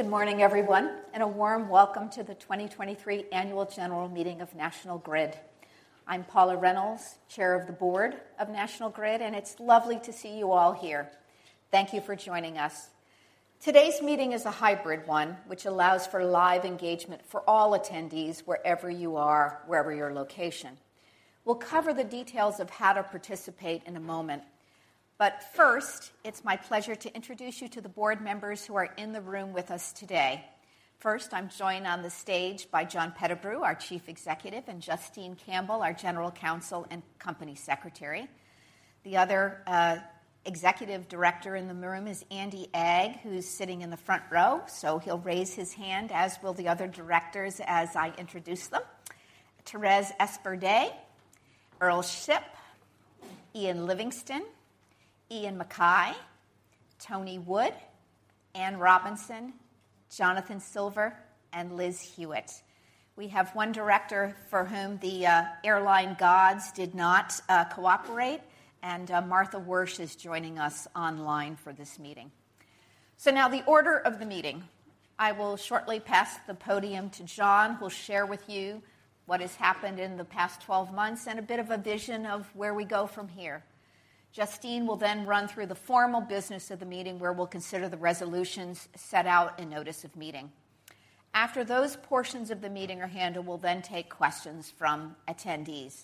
Good morning, everyone, a warm welcome to the 2023 Annual General Meeting of National Grid. I'm Paula Reynolds, Chair of the Board of National Grid, it's lovely to see you all here. Thank you for joining us. Today's meeting is a hybrid one, which allows for live engagement for all attendees, wherever you are, wherever your location. We'll cover the details of how to participate in a moment, first, it's my pleasure to introduce you to the board members who are in the room with us today. First, I'm joined on the stage by John Pettigrew, our Chief Executive, Justine Campbell, our General Counsel and Company Secretary. The other Executive Director in the room is Andy Agg, who's sitting in the front row, he'll raise his hand, as will the other directors, as I introduce them. Thérèse Esperdy, Earl Shipp, Ian Livingston, Iain Mackay, Tony Wood, Anne Robinson, Jonathan Silver, and Liz Hewitt. We have one director for whom the airline gods did not cooperate, and Martha Wyrsch is joining us online for this meeting. Now the order of the meeting. I will shortly pass the podium to John, who will share with you what has happened in the past 12 months and a bit of a vision of where we go from here. Justine will then run through the formal business of the meeting, where we'll consider the resolutions set out in notice of meeting. After those portions of the meeting are handled, we'll then take questions from attendees.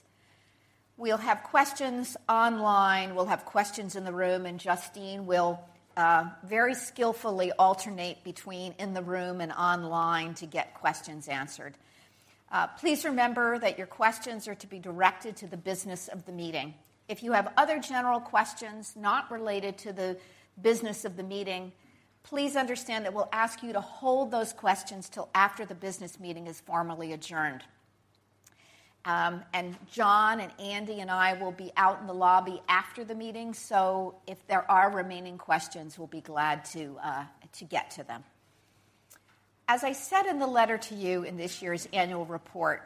We'll have questions online, we'll have questions in the room, and Justine will very skillfully alternate between in the room and online to get questions answered. Please remember that your questions are to be directed to the business of the meeting. If you have other general questions not related to the business of the meeting, please understand that we'll ask you to hold those questions till after the business meeting is formally adjourned. John and Andy and I will be out in the lobby after the meeting, so if there are remaining questions, we'll be glad to get to them. As I said in the letter to you in this year's annual report,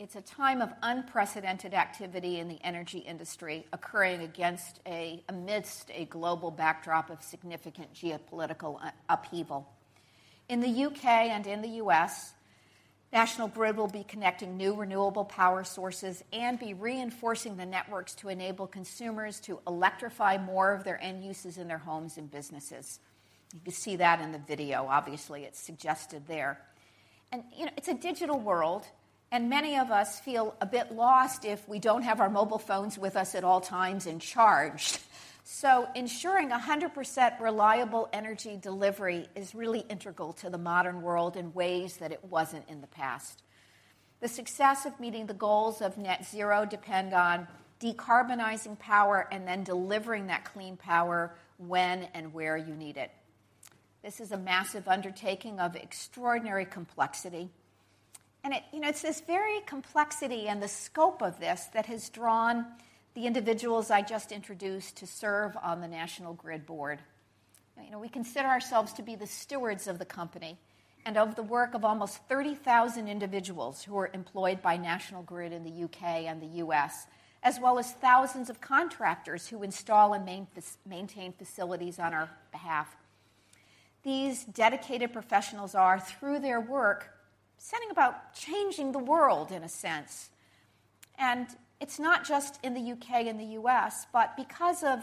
it's a time of unprecedented activity in the energy industry occurring amidst a global backdrop of significant geopolitical upheaval. In the U.K. and in the U.S., National Grid will be connecting new renewable power sources and be reinforcing the networks to enable consumers to electrify more of their end uses in their homes and businesses. You can see that in the video. Obviously, it's suggested there. You know, it's a digital world, and many of us feel a bit lost if we don't have our mobile phones with us at all times and charged. Ensuring 100% reliable energy delivery is really integral to the modern world in ways that it wasn't in the past. The success of meeting the goals of net zero depend on decarbonizing power and then delivering that clean power when and where you need it. This is a massive undertaking of extraordinary complexity. You know, it's this very complexity and the scope of this that has drawn the individuals I just introduced to serve on the National Grid Board. You know, we consider ourselves to be the stewards of the company and of the work of almost 30,000 individuals who are employed by National Grid in the U.K. and the U.S., as well as thousands of contractors who install and maintain facilities on our behalf. These dedicated professionals are, through their work, setting about changing the world in a sense. It's not just in the U.K. and the U.S., but because of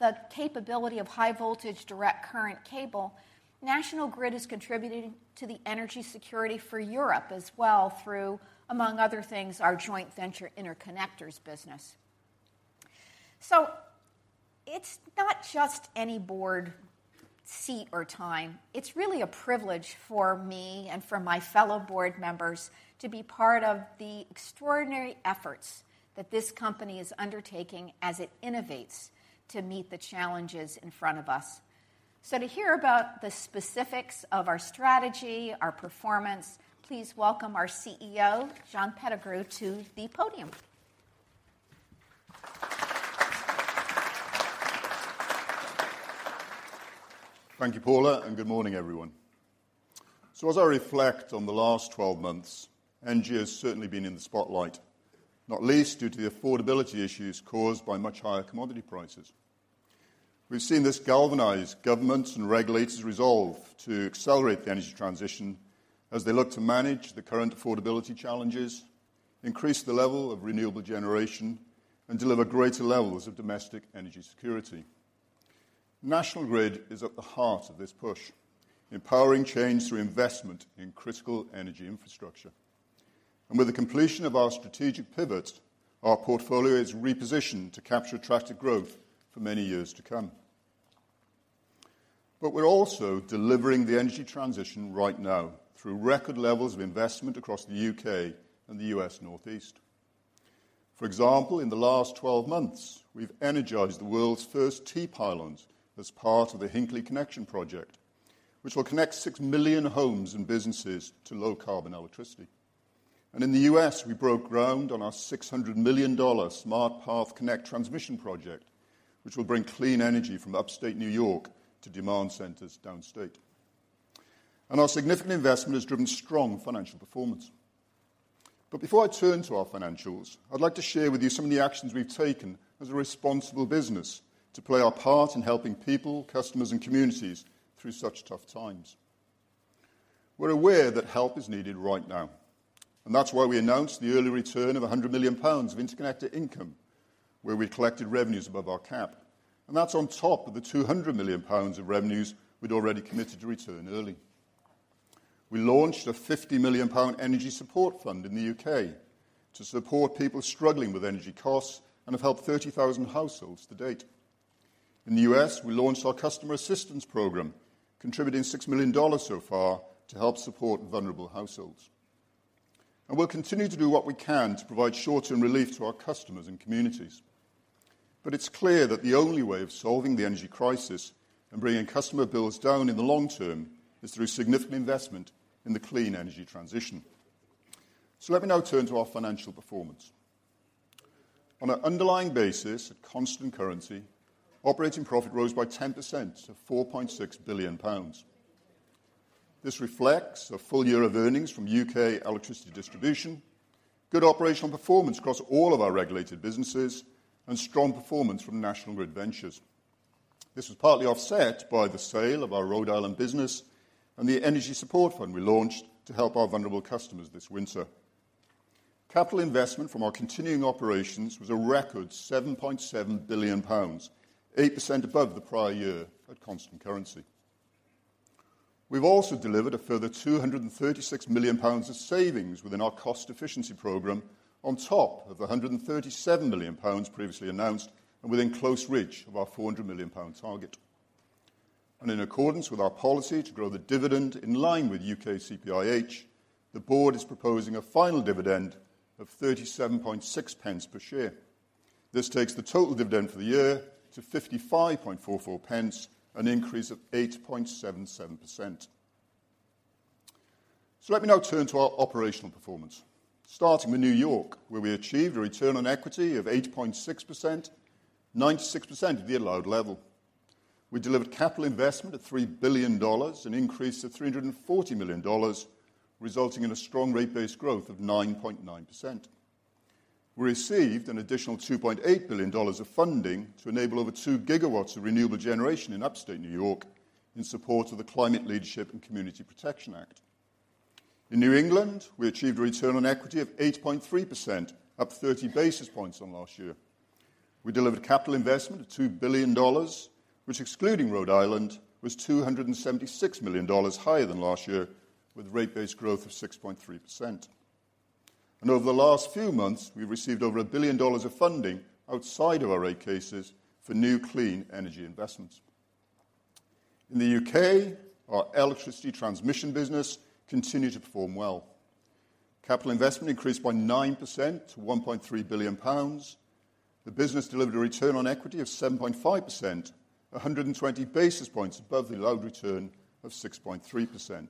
the capability of high voltage direct current cable, National Grid is contributing to the energy security for Europe as well through, among other things, our joint venture interconnectors business. It's not just any board seat or time. It's really a privilege for me and for my fellow board members to be part of the extraordinary efforts that this company is undertaking as it innovates to meet the challenges in front of us. To hear about the specifics of our strategy, our performance, please welcome our CEO, John Pettigrew, to the podium. Thank you, Paula. Good morning, everyone. As I reflect on the last 12 months, NG has certainly been in the spotlight, not least due to the affordability issues caused by much higher commodity prices. We've seen this galvanize governments' and regulators' resolve to accelerate the energy transition as they look to manage the current affordability challenges, increase the level of renewable generation, and deliver greater levels of domestic energy security. National Grid is at the heart of this push, empowering change through investment in critical energy infrastructure. With the completion of our strategic pivot, our portfolio is repositioned to capture attractive growth for many years to come. We're also delivering the energy transition right now through record levels of investment across the UK and the US Northeast. For example, in the last 12 months, we've energized the world's first T-pylons as part of the Hinkley Connection Project, which will connect 6 million homes and businesses to low-carbon electricity. In the U.S., we broke ground on our $600 million Smart Path Connect transmission project, which will bring clean energy from upstate New York to demand centers downstate. Our significant investment has driven strong financial performance. Before I turn to our financials, I'd like to share with you some of the actions we've taken as a responsible business to play our part in helping people, customers, and communities through such tough times. We're aware that help is needed right now. That's why we announced the early return of 100 million pounds of interconnector income, where we collected revenues above our cap. That's on top of the 200 million pounds of revenues we'd already committed to return early. We launched a 50 million pound energy support fund in the UK to support people struggling with energy costs and have helped 30,000 households to date. In the US, we launched our customer assistance program, contributing $6 million so far to help support vulnerable households. We'll continue to do what we can to provide short-term relief to our customers and communities. It's clear that the only way of solving the energy crisis and bringing customer bills down in the long term is through significant investment in the clean energy transition. Let me now turn to our financial performance. On an underlying basis, at constant currency, operating profit rose by 10% to 4.6 billion pounds. This reflects a full year of earnings from UK electricity distribution, good operational performance across all of our regulated businesses, and strong performance from National Grid Ventures. This was partly offset by the sale of our Rhode Island business and the energy support fund we launched to help our vulnerable customers this winter. Capital investment from our continuing operations was a record 7.7 billion pounds, 8% above the prior year at constant currency. We've also delivered a further 236 million pounds of savings within our cost efficiency program, on top of the 137 million pounds previously announced and within close reach of our 400 million pound target. In accordance with our policy to grow the dividend in line with UK CPIH, the board is proposing a final dividend of 37.6 pence per share. This takes the total dividend for the year to 55.44 pence, an increase of 8.77%. Let me now turn to our operational performance, starting with New York, where we achieved a return on equity of 8.6%, 96% of the allowed level. We delivered capital investment of $3 billion, an increase of $340 million, resulting in a strong rate base growth of 9.9%. We received an additional $2.8 billion of funding to enable over 2 gigawatts of renewable generation in upstate New York in support of the Climate Leadership and Community Protection Act. In New England, we achieved a return on equity of 8.3%, up 30 basis points on last year. We delivered capital investment of $2 billion, which, excluding Rhode Island, was $276 million higher than last year, with rate base growth of 6.3%. Over the last few months, we've received over $1 billion of funding outside of our rate cases for new clean energy investments. In the UK, our electricity transmission business continued to perform well. Capital investment increased by 9% to 1.3 billion pounds. The business delivered a return on equity of 7.5%, 120 basis points above the allowed return of 6.3%.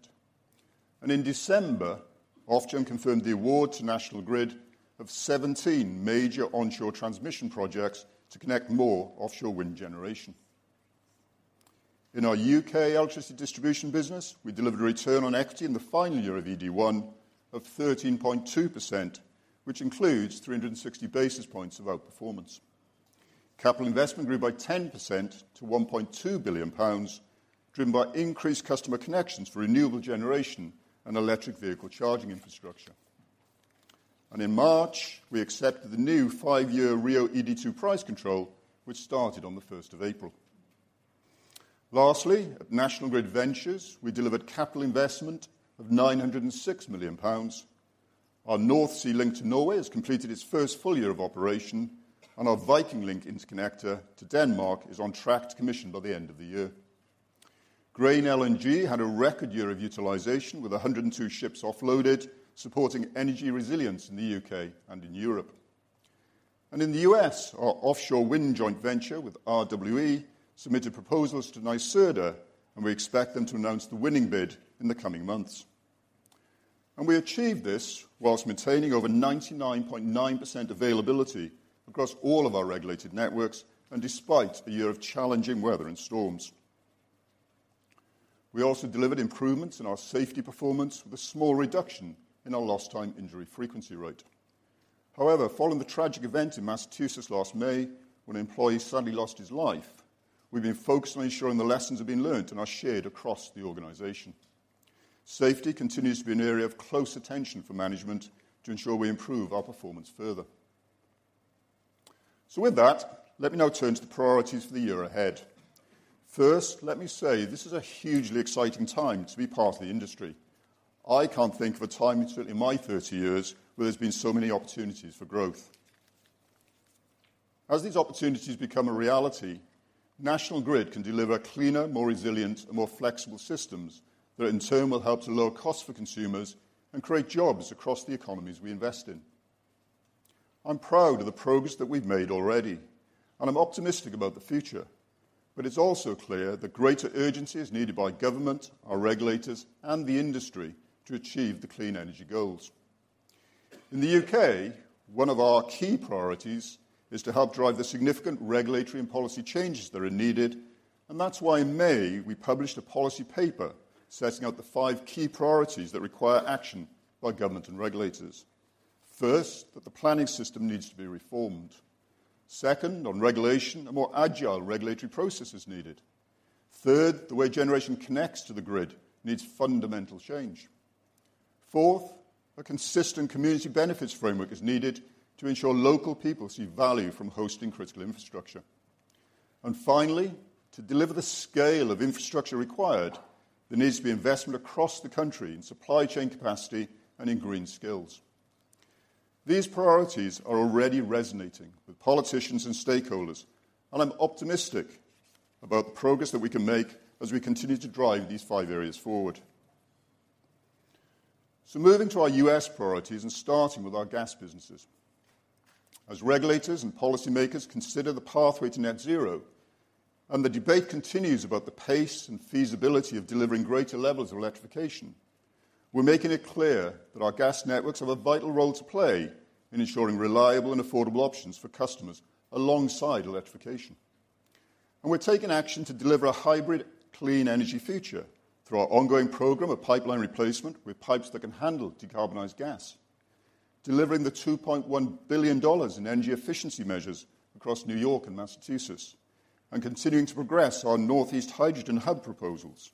In December, Ofgem confirmed the award to National Grid of 17 major onshore transmission projects to connect more offshore wind generation. In our U.K. electricity distribution business, we delivered a return on equity in the final year of ED1 of 13.2%, which includes 360 basis points of outperformance. Capital investment grew by 10% to 1.2 billion pounds, driven by increased customer connections for renewable generation and electric vehicle charging infrastructure. In March, we accepted the new five-year RIIO-ED2 price control, which started on the 1st of April. Lastly, at National Grid Ventures, we delivered capital investment of 906 million pounds. Our North Sea Link to Norway has completed its first full year of operation, and our Viking Link interconnector to Denmark is on track to commission by the end of the year. Grain LNG had a record year of utilization, with 102 ships offloaded, supporting energy resilience in the U.K. and in Europe. In the U.S., our offshore wind joint venture with RWE submitted proposals to NYSERDA, and we expect them to announce the winning bid in the coming months. We achieved this while maintaining over 99.9% availability across all of our regulated networks and despite a year of challenging weather and storms. We also delivered improvements in our safety performance, with a small reduction in our lost time injury frequency rate. However, following the tragic event in Massachusetts last May, when an employee sadly lost his life, we've been focused on ensuring the lessons have been learned and are shared across the organization. Safety continues to be an area of close attention for management to ensure we improve our performance further. With that, let me now turn to the priorities for the year ahead. First, let me say this is a hugely exciting time to be part of the industry. I can't think of a time certainly in my 30 years where there's been so many opportunities for growth. As these opportunities become a reality, National Grid can deliver cleaner, more resilient, and more flexible systems that in turn will help to lower costs for consumers and create jobs across the economies we invest in. I'm proud of the progress that we've made already, and I'm optimistic about the future. It's also clear that greater urgency is needed by government, our regulators, and the industry to achieve the clean energy goals. In the UK, one of our key priorities is to help drive the significant regulatory and policy changes that are needed. That's why in May, we published a policy paper setting out the 5 key priorities that require action by government and regulators. First, that the planning system needs to be reformed. Second, on regulation, a more agile regulatory process is needed. Third, the way generation connects to the grid needs fundamental change. Fourth, a consistent community benefits framework is needed to ensure local people see value from hosting critical infrastructure. Finally, to deliver the scale of infrastructure required, there needs to be investment across the country in supply chain capacity and in green skills. These priorities are already resonating with politicians and stakeholders, and I'm optimistic about the progress that we can make as we continue to drive these 5 areas forward. Moving to our US priorities and starting with our gas businesses. As regulators and policymakers consider the pathway to net zero, and the debate continues about the pace and feasibility of delivering greater levels of electrification, we're making it clear that our gas networks have a vital role to play in ensuring reliable and affordable options for customers alongside electrification. We're taking action to deliver a hybrid, clean energy future through our ongoing program of pipeline replacement with pipes that can handle decarbonized gas, delivering the $2.1 billion in energy efficiency measures across New York and Massachusetts, and continuing to progress our Northeast Hydrogen Hub proposals.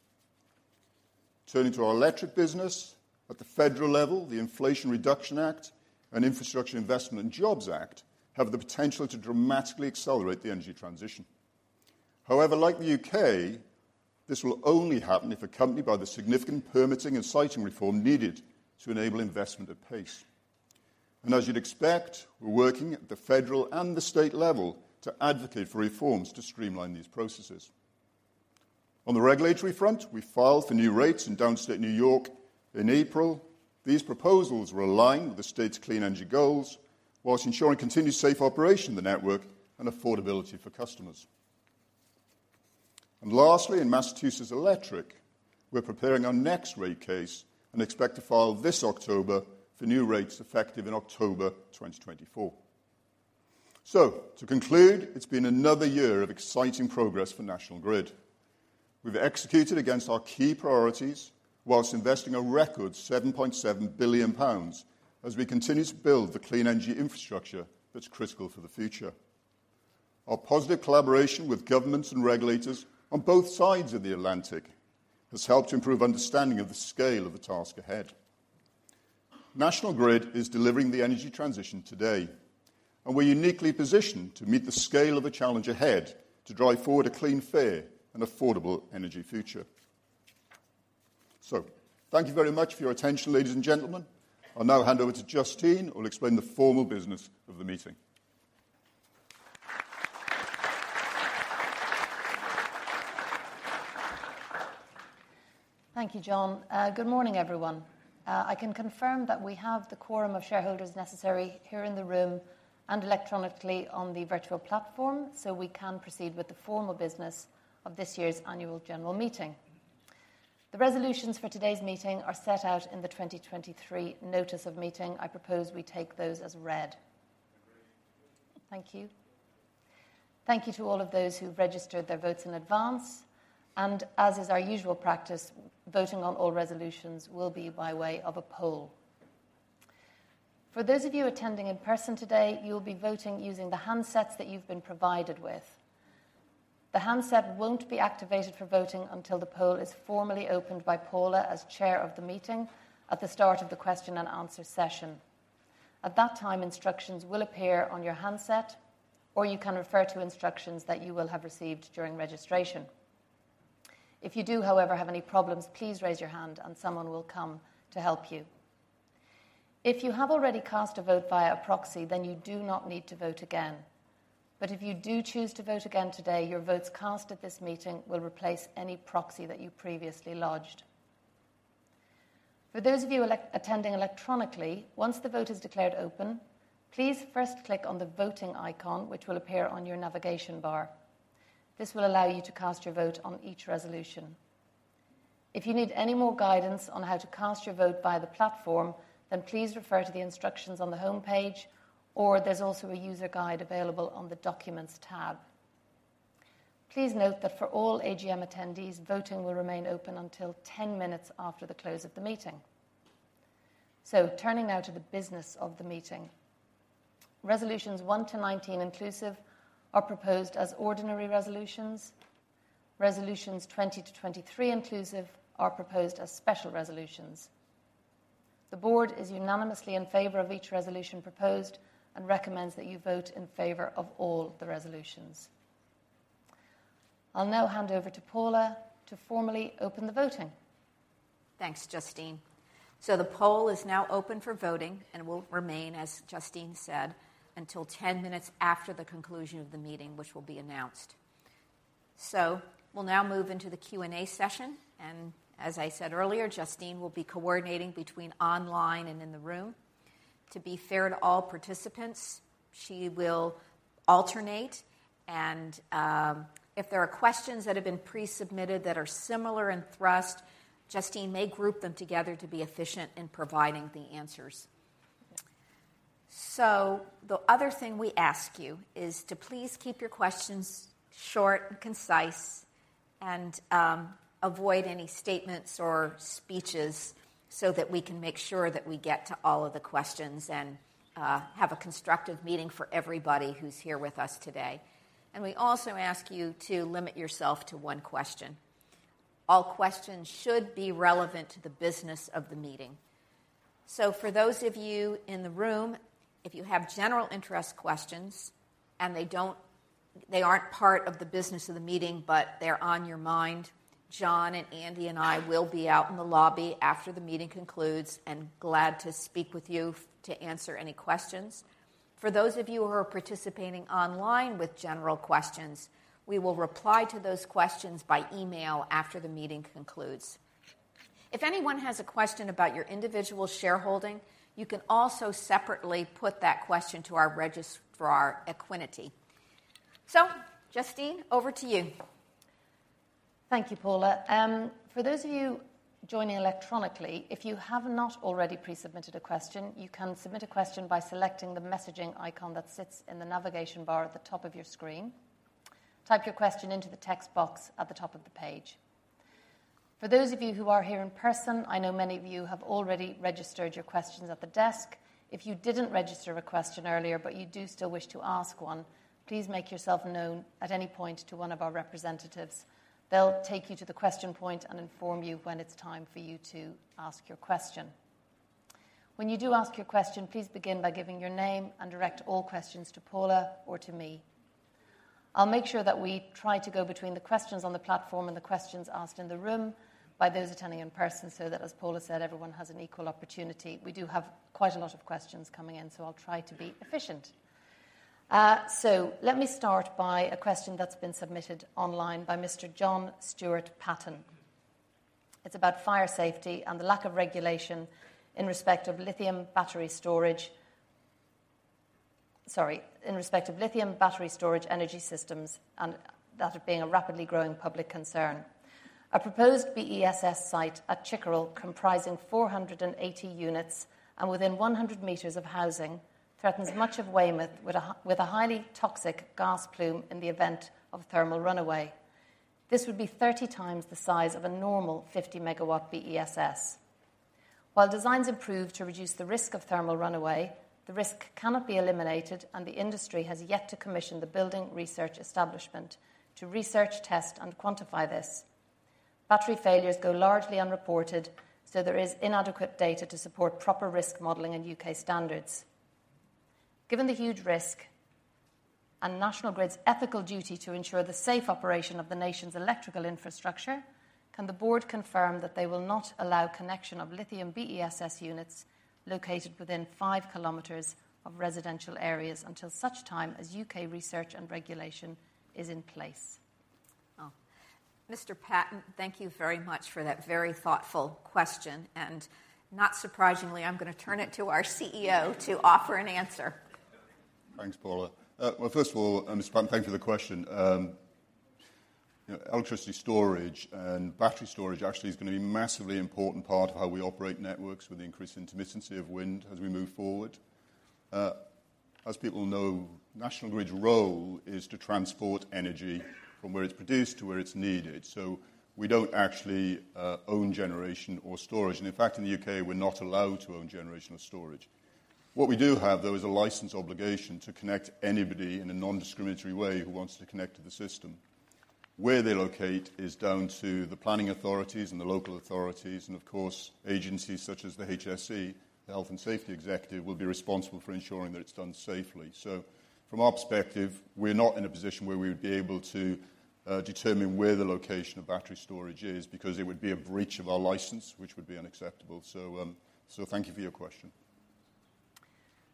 Turning to our electric business, at the federal level, the Inflation Reduction Act and Infrastructure Investment and Jobs Act have the potential to dramatically accelerate the energy transition. However, like the UK, this will only happen if accompanied by the significant permitting and siting reform needed to enable investment at pace. As you'd expect, we're working at the federal and the state level to advocate for reforms to streamline these processes. On the regulatory front, we filed for new rates in downstate New York in April. These proposals were aligned with the state's clean energy goals, while ensuring continued safe operation of the network and affordability for customers. Lastly, in Massachusetts Electric, we're preparing our next rate case and expect to file this October for new rates effective in October 2024. To conclude, it's been another year of exciting progress for National Grid. We've executed against our key priorities while investing a record 7.7 billion pounds as we continue to build the clean energy infrastructure that's critical for the future. Our positive collaboration with governments and regulators on both sides of the Atlantic has helped to improve understanding of the scale of the task ahead. National Grid is delivering the energy transition today. We're uniquely positioned to meet the scale of the challenge ahead to drive forward a clean, fair, and affordable energy future. Thank you very much for your attention, ladies and gentlemen. I'll now hand over to Justine, who will explain the formal business of the meeting. Thank you, John. good morning, everyone. I can confirm that we have the quorum of shareholders necessary here in the room and electronically on the virtual platform. We can proceed with the formal business of this year's annual general meeting. The resolutions for today's meeting are set out in the 2023 notice of meeting. I propose we take those as read. Agreed. Thank you. Thank you to all of those who registered their votes in advance. As is our usual practice, voting on all resolutions will be by way of a poll. For those of you attending in person today, you'll be voting using the handsets that you've been provided with. The handset won't be activated for voting until the poll is formally opened by Paula as chair of the meeting at the start of the question and answer session. At that time, instructions will appear on your handset, or you can refer to instructions that you will have received during registration. If you do, however, have any problems, please raise your hand and someone will come to help you. If you have already cast a vote via a proxy, you do not need to vote again. If you do choose to vote again today, your votes cast at this meeting will replace any proxy that you previously lodged. For those of you attending electronically, once the vote is declared open, please first click on the voting icon, which will appear on your navigation bar. This will allow you to cast your vote on each resolution. If you need any more guidance on how to cast your vote via the platform, then please refer to the instructions on the homepage, or there's also a user guide available on the Documents tab. Please note that for all AGM attendees, voting will remain open until 10 minutes after the close of the meeting. Turning now to the business of the meeting. Resolutions 1 to 19 inclusive are proposed as ordinary resolutions. Resolutions 20 to 23 inclusive are proposed as special resolutions. The board is unanimously in favor of each resolution proposed and recommends that you vote in favor of all the resolutions. I'll now hand over to Paula to formally open the voting. Thanks, Justine. The poll is now open for voting and will remain, as Justine said, until 10 minutes after the conclusion of the meeting, which will be announced. We'll now move into the Q&A session, and as I said earlier, Justine will be coordinating between online and in the room. To be fair to all participants, she will alternate, and if there are questions that have been pre-submitted that are similar in thrust, Justine may group them together to be efficient in providing the answers. The other thing we ask you is to please keep your questions short and concise, and avoid any statements or speeches so that we can make sure that we get to all of the questions and have a constructive meeting for everybody who's here with us today. We also ask you to limit yourself to one question. All questions should be relevant to the business of the meeting. For those of you in the room, if you have general interest questions and they don't, they aren't part of the business of the meeting, but they're on your mind, John and Andy and I will be out in the lobby after the meeting concludes, and glad to speak with you to answer any questions. For those of you who are participating online with general questions, we will reply to those questions by email after the meeting concludes. If anyone has a question about your individual shareholding, you can also separately put that question to our registrar, Equiniti. Justine, over to you. Thank you, Paula. For those of you joining electronically, if you have not already pre-submitted a question, you can submit a question by selecting the messaging icon that sits in the navigation bar at the top of your screen. Type your question into the text box at the top of the page. For those of you who are here in person, I know many of you have already registered your questions at the desk. If you didn't register a question earlier, but you do still wish to ask one, please make yourself known at any point to one of our representatives. They'll take you to the question point and inform you when it's time for you to ask your question. When you do ask your question, please begin by giving your name, and direct all questions to Paula or to me. I'll make sure that we try to go between the questions on the platform and the questions asked in the room by those attending in person, so that, as Paula said, everyone has an equal opportunity. We do have quite a lot of questions coming in, so I'll try to be efficient. Let me start by a question that's been submitted online by Mr. John Stuart Patten. It's about fire safety and the lack of regulation in respect of lithium battery storage energy systems, and that of being a rapidly growing public concern. A proposed BESS site at Chickerell, comprising 480 units and within 100 meters of housing, threatens much of Weymouth with a highly toxic gas plume in the event of thermal runaway. This would be 30 times the size of a normal 50-megawatt BESS. While designs improve to reduce the risk of thermal runaway, the risk cannot be eliminated, and the industry has yet to commission the Building Research Establishment to research, test, and quantify this. Battery failures go largely unreported, so there is inadequate data to support proper risk modeling and U.K. standards. Given the huge risk and National Grid's ethical duty to ensure the safe operation of the nation's electrical infrastructure, can the board confirm that they will not allow connection of lithium BESS units located within 5 kilometers of residential areas until such time as U.K. research and regulation is in place? Well, Mr. Patten, thank you very much for that very thoughtful question, and not surprisingly, I'm going to turn it to our CEO to offer an answer. Thanks, Paula. Well, first of all, Mr. Patten, thank you for the question. You know, electricity storage and battery storage actually is going to be a massively important part of how we operate networks with the increased intermittency of wind as we move forward. As people know, National Grid's role is to transport energy from where it's produced to where it's needed. We don't actually own generation or storage, and in fact, in the U.K., we're not allowed to own generation or storage. What we do have, though, is a license obligation to connect anybody in a non-discriminatory way who wants to connect to the system. Where they locate is down to the planning authorities and the local authorities, and of course, agencies such as the HSE, the Health and Safety Executive, will be responsible for ensuring that it's done safely. From our perspective, we're not in a position where we would be able to determine where the location of battery storage is, because it would be a breach of our license, which would be unacceptable. Thank you for your question.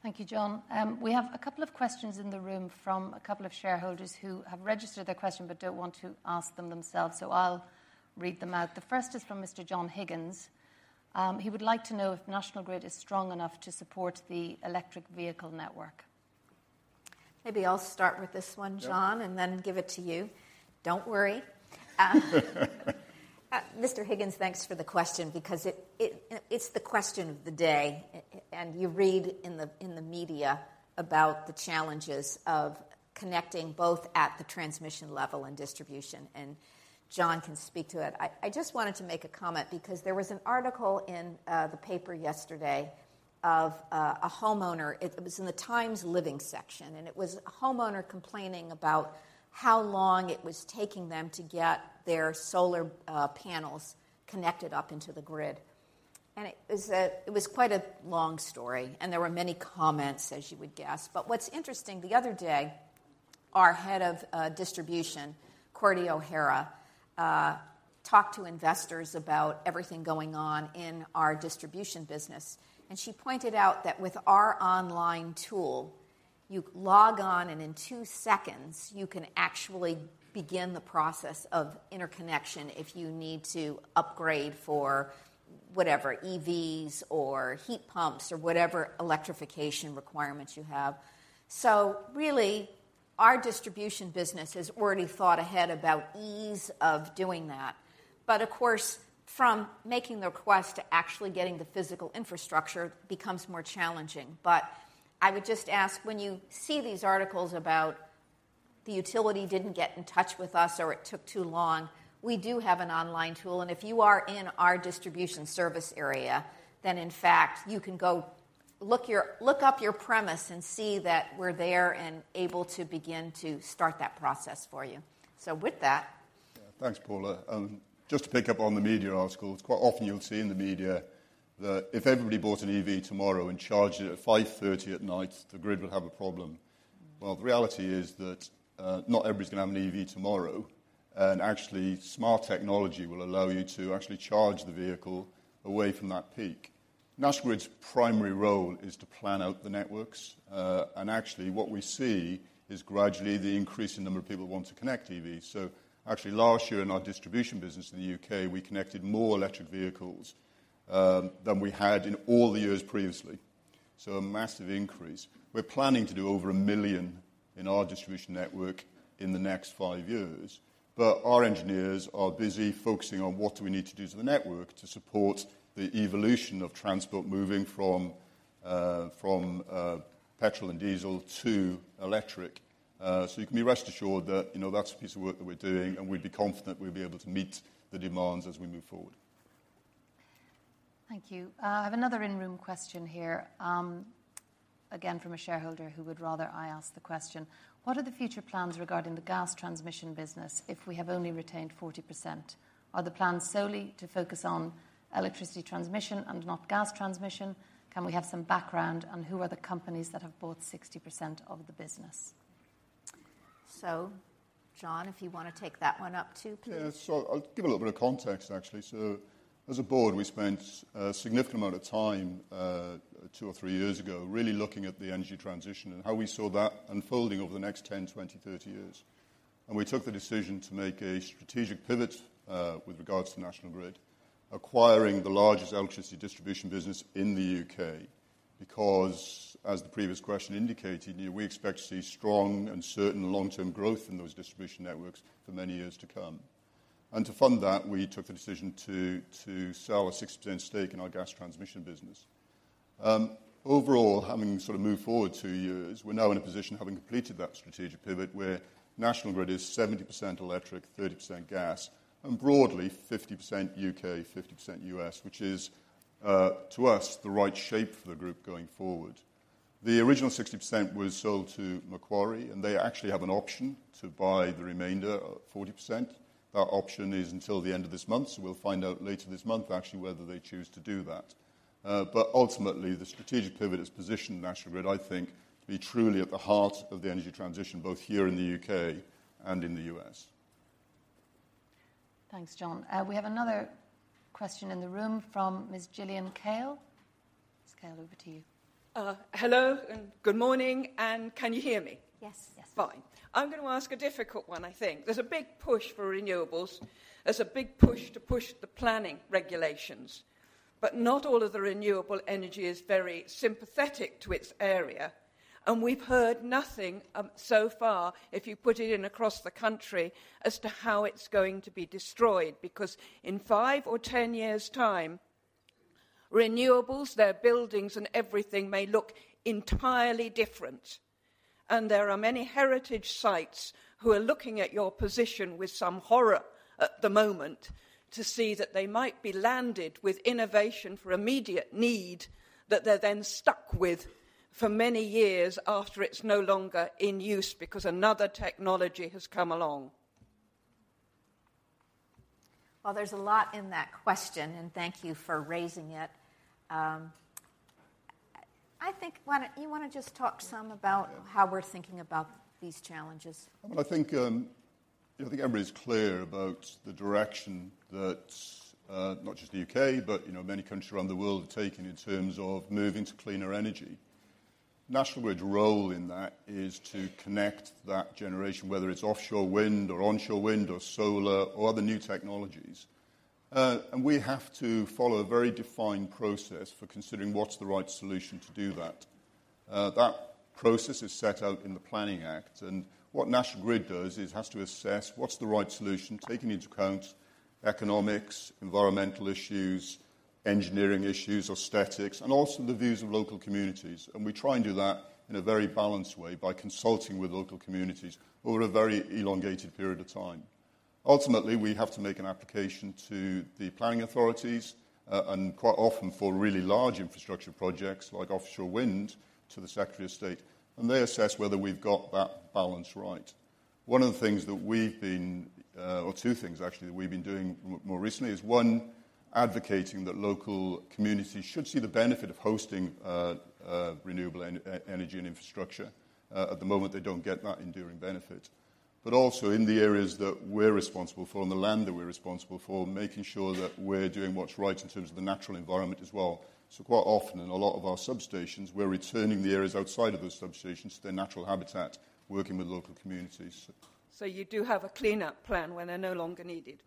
Thank you, John. We have a couple of questions in the room from a couple of shareholders who have registered their question but don't want to ask them themselves. I'll read them out. The first is from Mr. John Higgins. He would like to know if National Grid is strong enough to support the electric vehicle network. Maybe I'll start with this one, John. Yeah. Then give it to you. Don't worry. Mr. Higgins, thanks for the question because it's the question of the day. You read in the media about the challenges of connecting both at the transmission level and distribution, and John can speak to it. I just wanted to make a comment because there was an article in the paper yesterday of a homeowner. It was in the Times living section, and it was a homeowner complaining about how long it was taking them to get their solar panels connected up into the Grid. It was quite a long story, and there were many comments, as you would guess. What's interesting, the other day, our head of distribution, Cordi O'Hara, talked to investors about everything going on in our distribution business, and she pointed out that with our online tool, you log on, and in two seconds, you can actually begin the process of interconnection if you need to upgrade for whatever, EVs or heat pumps or whatever electrification requirements you have. Our distribution business has already thought ahead about ease of doing that. Of course, from making the request to actually getting the physical infrastructure becomes more challenging. I would just ask, when you see these articles about, "The utility didn't get in touch with us," or, "It took too long," we do have an online tool, and if you are in our distribution service area, then, in fact, you can go look up your premise and see that we're there and able to begin to start that process for you. Yeah, thanks, Paula. Just to pick up on the media article, it's quite often you'll see in the media that if everybody bought an EV tomorrow and charged it at 5:30 at night, the Grid would have a problem. The reality is that not everybody's gonna have an EV tomorrow, and actually, smart technology will allow you to actually charge the vehicle away from that peak. National Grid's primary role is to plan out the networks. And actually, what we see is gradually the increasing number of people who want to connect EVs. Actually, last year in our distribution business in the U.K., we connected more electric vehicles than we had in all the years previously, so a massive increase. We're planning to do over 1 million in our distribution network in the next 5 years. Our engineers are busy focusing on what do we need to do to the network to support the evolution of transport moving from petrol and diesel to electric. You can be rest assured that, you know, that's a piece of work that we're doing, and we'd be confident we'll be able to meet the demands as we move forward. Thank you. I have another in-room question here, again, from a shareholder who would rather I ask the question: What are the future plans regarding the gas transmission business if we have only retained 40%? Are the plans solely to focus on electricity transmission and not gas transmission? Can we have some background on who are the companies that have bought 60% of the business? John, if you wanna take that one up, too, please. Yeah, I'll give a little bit of context, actually. As a board, we spent a significant amount of time, two or three years ago, really looking at the energy transition and how we saw that unfolding over the next 10, 20, 30 years. We took the decision to make a strategic pivot, with regards to National Grid, acquiring the largest electricity distribution business in the UK, because, as the previous question indicated, we expect to see strong and certain long-term growth in those distribution networks for many years to come. To fund that, we took the decision to sell a 60% stake in our gas transmission business. Overall, having sort of moved forward two years, we're now in a position, having completed that strategic pivot, where National Grid is 70% electric, 30% gas, and broadly, 50% UK, 50% US, which is to us, the right shape for the group going forward. The original 60% was sold to Macquarie, and they actually have an option to buy the remainder, 40%. That option is until the end of this month, so we'll find out later this month, actually, whether they choose to do that. Ultimately, the strategic pivot has positioned National Grid, I think, to be truly at the heart of the energy transition, both here in the UK and in the US. Thanks, John. We have another question in the room from Ms. Gillian Kale. Ms. Kale, over to you. Hello, good morning, can you hear me? Yes. Yes. Fine. I'm going to ask a difficult one, I think. There's a big push for renewables. There's a big push to push the planning regulations. Not all of the renewable energy is very sympathetic to its area, and we've heard nothing so far, if you put it in across the country, as to how it's going to be destroyed, because in 5 or 10 years' time, renewables, their buildings and everything may look entirely different. There are many heritage sites who are looking at your position with some horror at the moment to see that they might be landed with innovation for immediate need that they're then stuck with for many years after it's no longer in use because another technology has come along. There's a lot in that question, and thank you for raising it. I think, why don't You wanna just talk some about. Yeah how we're thinking about these challenges? I think everybody's clear about the direction that not just the UK, but, you know, many countries around the world are taking in terms of moving to cleaner energy. National Grid's role in that is to connect that generation, whether it's offshore wind or onshore wind or solar or other new technologies. We have to follow a very defined process for considering what's the right solution to do that. That process is set out in the Planning Act, National Grid has to assess what's the right solution, taking into account economics, environmental issues, engineering issues, aesthetics, and also the views of local communities. We try and do that in a very balanced way by consulting with local communities over a very elongated period of time. Ultimately, we have to make an application to the planning authorities, and quite often for really large infrastructure projects, like offshore wind, to the Secretary of State, and they assess whether we've got that balance right. One of the things that we've been, or 2 things, actually, that we've been doing more recently is, 1, advocating that local communities should see the benefit of hosting renewable energy and infrastructure. At the moment, they don't get that enduring benefit. Also in the areas that we're responsible for and the land that we're responsible for, making sure that we're doing what's right in terms of the natural environment as well. Quite often, in a lot of our substations, we're returning the areas outside of those substations to their natural habitat, working with local communities. You do have a cleanup plan when they're no longer needed?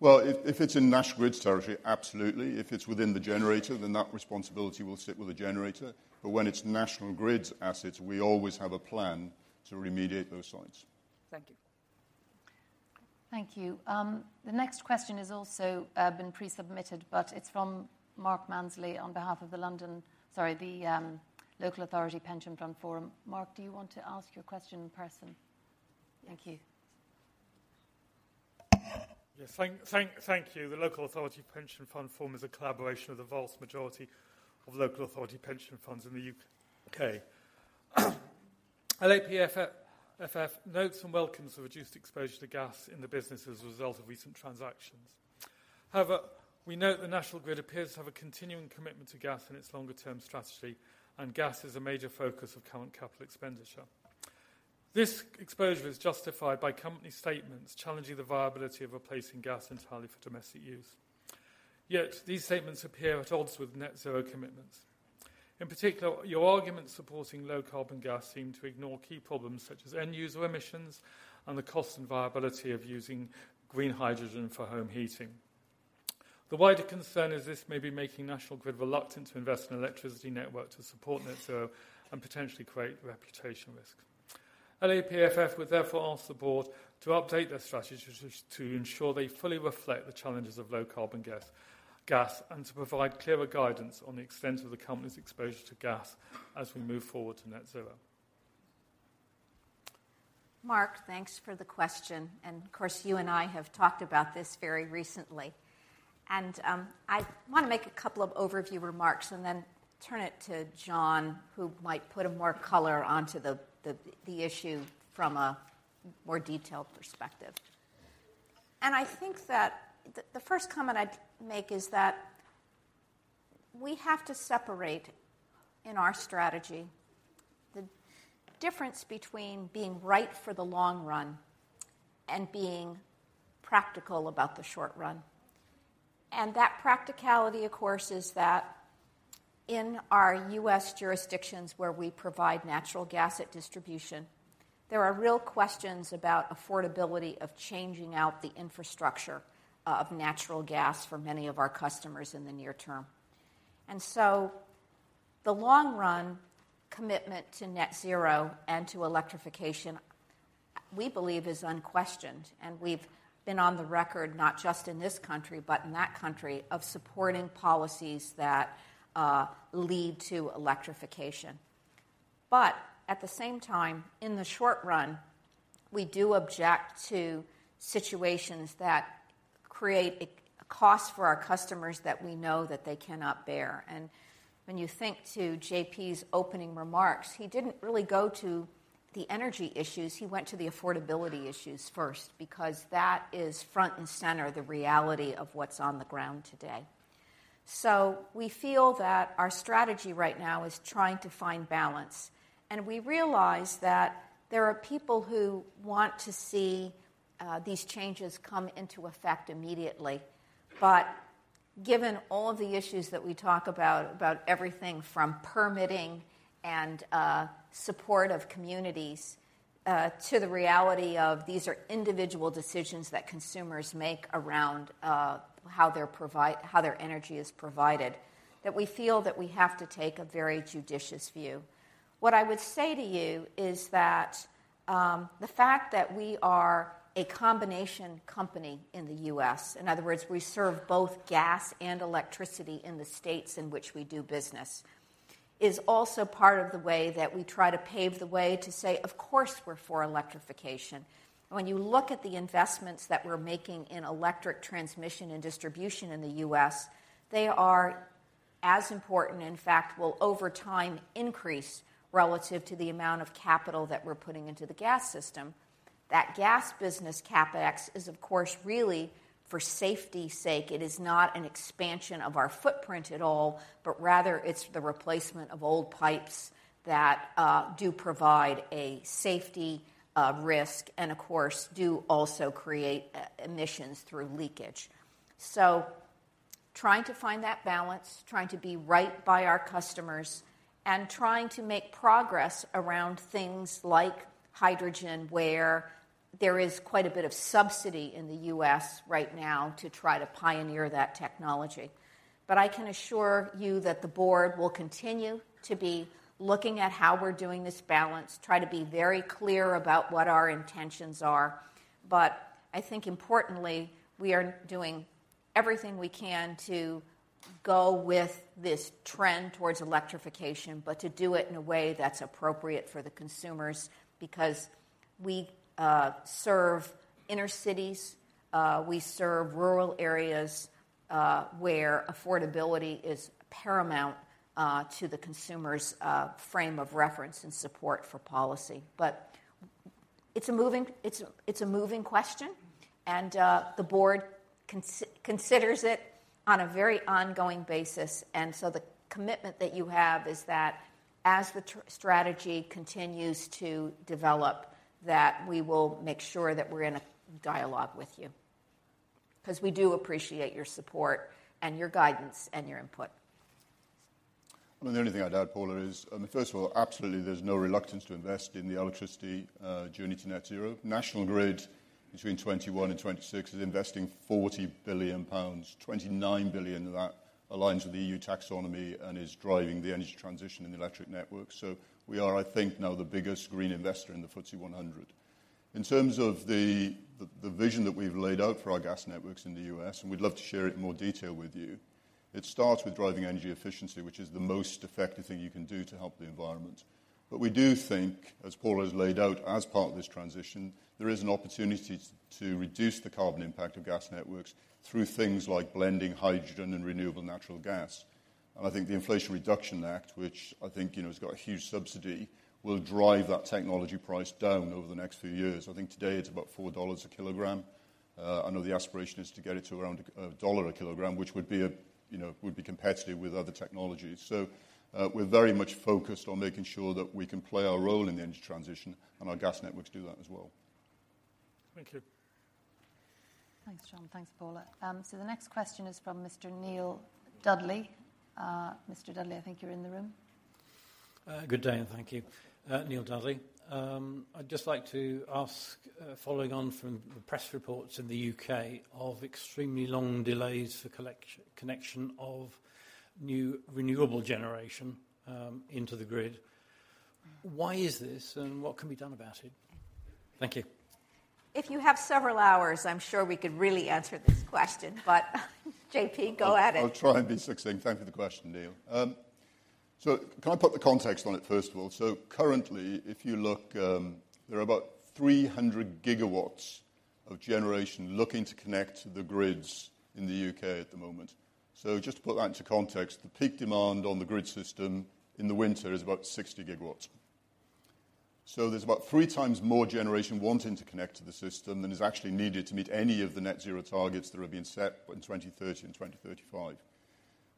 Well, if it's in National Grid's territory, absolutely. If it's within the generator, then that responsibility will sit with the generator. When it's National Grid's assets, we always have a plan to remediate those sites. Thank you. Thank you. The next question is also been pre-submitted, but it's from Mark Mansley on behalf of the Local Authority Pension Fund Forum. Mark, do you want to ask your question in person? Thank you. Yes. Thank you. The Local Authority Pension Fund Forum is a collaboration of the vast majority of local authority pension funds in the U.K. LAPFF notes and welcomes the reduced exposure to gas in the business as a result of recent transactions. However, we note that National Grid appears to have a continuing commitment to gas in its longer-term strategy. Gas is a major focus of current capital expenditure. This exposure is justified by company statements challenging the viability of replacing gas entirely for domestic use, yet these statements appear at odds with net zero commitments. In particular, your argument supporting low-carbon gas seem to ignore key problems, such as end-user emissions and the cost and viability of using green hydrogen for home heating. The wider concern is this may be making National Grid reluctant to invest in electricity network to support net zero and potentially create reputation risk. LAPFF would therefore ask the board to update their strategies to ensure they fully reflect the challenges of low-carbon gas, and to provide clearer guidance on the extent of the company's exposure to gas as we move forward to net zero. Mark, thanks for the question, and of course, you and I have talked about this very recently. I want to make a couple of overview remarks and then turn it to John, who might put a more color onto the, the issue from a more detailed perspective. I think that the first comment I'd make is that we have to separate in our strategy the difference between being right for the long run and being practical about the short run. That practicality, of course, is that in our U.S. jurisdictions, where we provide natural gas at distribution, there are real questions about affordability of changing out the infrastructure of natural gas for many of our customers in the near term. The long-run commitment to net zero and to electrification, we believe, is unquestioned, and we've been on the record, not just in this country, but in that country, of supporting policies that lead to electrification. At the same time, in the short run, we do object to situations that create a cost for our customers that we know that they cannot bear. When you think to J.P.'s opening remarks, he didn't really go to the energy issues, he went to the affordability issues first, because that is front and center, the reality of what's on the ground today. We feel that our strategy right now is trying to find balance, and we realize that there are people who want to see these changes come into effect immediately. Given all of the issues that we talk about everything from permitting and support of communities, to the reality of these are individual decisions that consumers make around how their energy is provided, that we feel that we have to take a very judicious view. What I would say to you is that the fact that we are a combination company in the U.S., in other words, we serve both gas and electricity in the states in which we do business, is also part of the way that we try to pave the way to say: "Of course, we're for electrification." When you look at the investments that we're making in electric transmission and distribution in the U.S., they are as important, in fact, will, over time, increase relative to the amount of capital that we're putting into the gas system. That gas business CapEx is, of course, really for safety's sake. It is not an expansion of our footprint at all, but rather it's the replacement of old pipes that do provide a safety risk and, of course, do also create emissions through leakage. Trying to find that balance, trying to be right by our customers, and trying to make progress around things like hydrogen, where there is quite a bit of subsidy in the US right now to try to pioneer that technology. I can assure you that the board will continue to be looking at how we're doing this balance, try to be very clear about what our intentions are. I think importantly, we are doing everything we can to go with this trend towards electrification, to do it in a way that's appropriate for the consumers, because we serve inner cities, we serve rural areas, where affordability is paramount to the consumer's frame of reference and support for policy. It's a moving question, and the board considers it on a very ongoing basis. The commitment that you have is that as the strategy continues to develop, that we will make sure that we're in a dialogue with you, 'cause we do appreciate your support and your guidance and your input. .Well, the only thing I'd add, Paula, is, I mean, first of all, absolutely there's no reluctance to invest in the electricity journey to net zero. National Grid, between 2021 and 2026, is investing 40 billion pounds. 29 billion of that aligns with the EU taxonomy and is driving the energy transition in the electric network. We are, I think, now the biggest green investor in the FTSE 100. In terms of the vision that we've laid out for our gas networks in the U.S., we'd love to share it in more detail with you, it starts with driving energy efficiency, which is the most effective thing you can do to help the environment. We do think, as Paula has laid out, as part of this transition, there is an opportunity to reduce the carbon impact of gas networks through things like blending hydrogen and renewable natural gas. I think the Inflation Reduction Act, which I think, you know, has got a huge subsidy, will drive that technology price down over the next few years. I think today it's about $4 a kilogram. I know the aspiration is to get it to around $1 a kilogram, which would be, you know, would be competitive with other technologies. We're very much focused on making sure that we can play our role in the energy transition, and our gas networks do that as well. Thank you. Thanks, John. Thanks, Paula. The next question is from Mr Neil Dudley. Mr Dudley, I think you're in the room. Good day. Thank you. Neil Dudley. I'd just like to ask, following on from the press reports in the UK of extremely long delays for connection of new renewable generation into the grid, why is this, and what can be done about it? Thank you. If you have several hours, I'm sure we could really answer this question, but JP, go at it. I'll try and be succinct. Thank you for the question, Neil. Can I put the context on it, first of all? Currently, if you look, there are about 300 gigawatts of generation looking to connect to the grids in the UK at the moment. Just to put that into context, the peak demand on the grid system in the winter is about 60 gigawatts. There's about 3 times more generation wanting to connect to the system than is actually needed to meet any of the net zero targets that have been set by 2030 and 2035.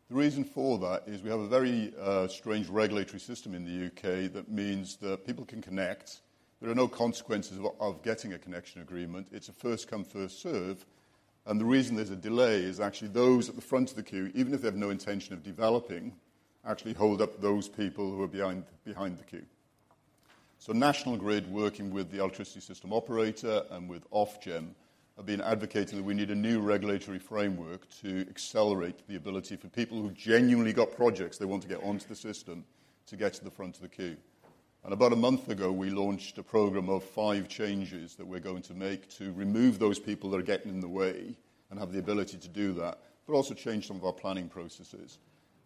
The reason for that is we have a very strange regulatory system in the UK that means that people can connect. There are no consequences of getting a connection agreement. It's a first come, first served. The reason there's a delay is actually those at the front of the queue, even if they have no intention of developing, actually hold up those people who are behind the queue. National Grid, working with the electricity system operator and with Ofgem, have been advocating that we need a new regulatory framework to accelerate the ability for people who've genuinely got projects they want to get onto the system to get to the front of the queue. About a month ago, we launched a program of 5 changes that we're going to make to remove those people that are getting in the way and have the ability to do that, but also change some of our planning processes.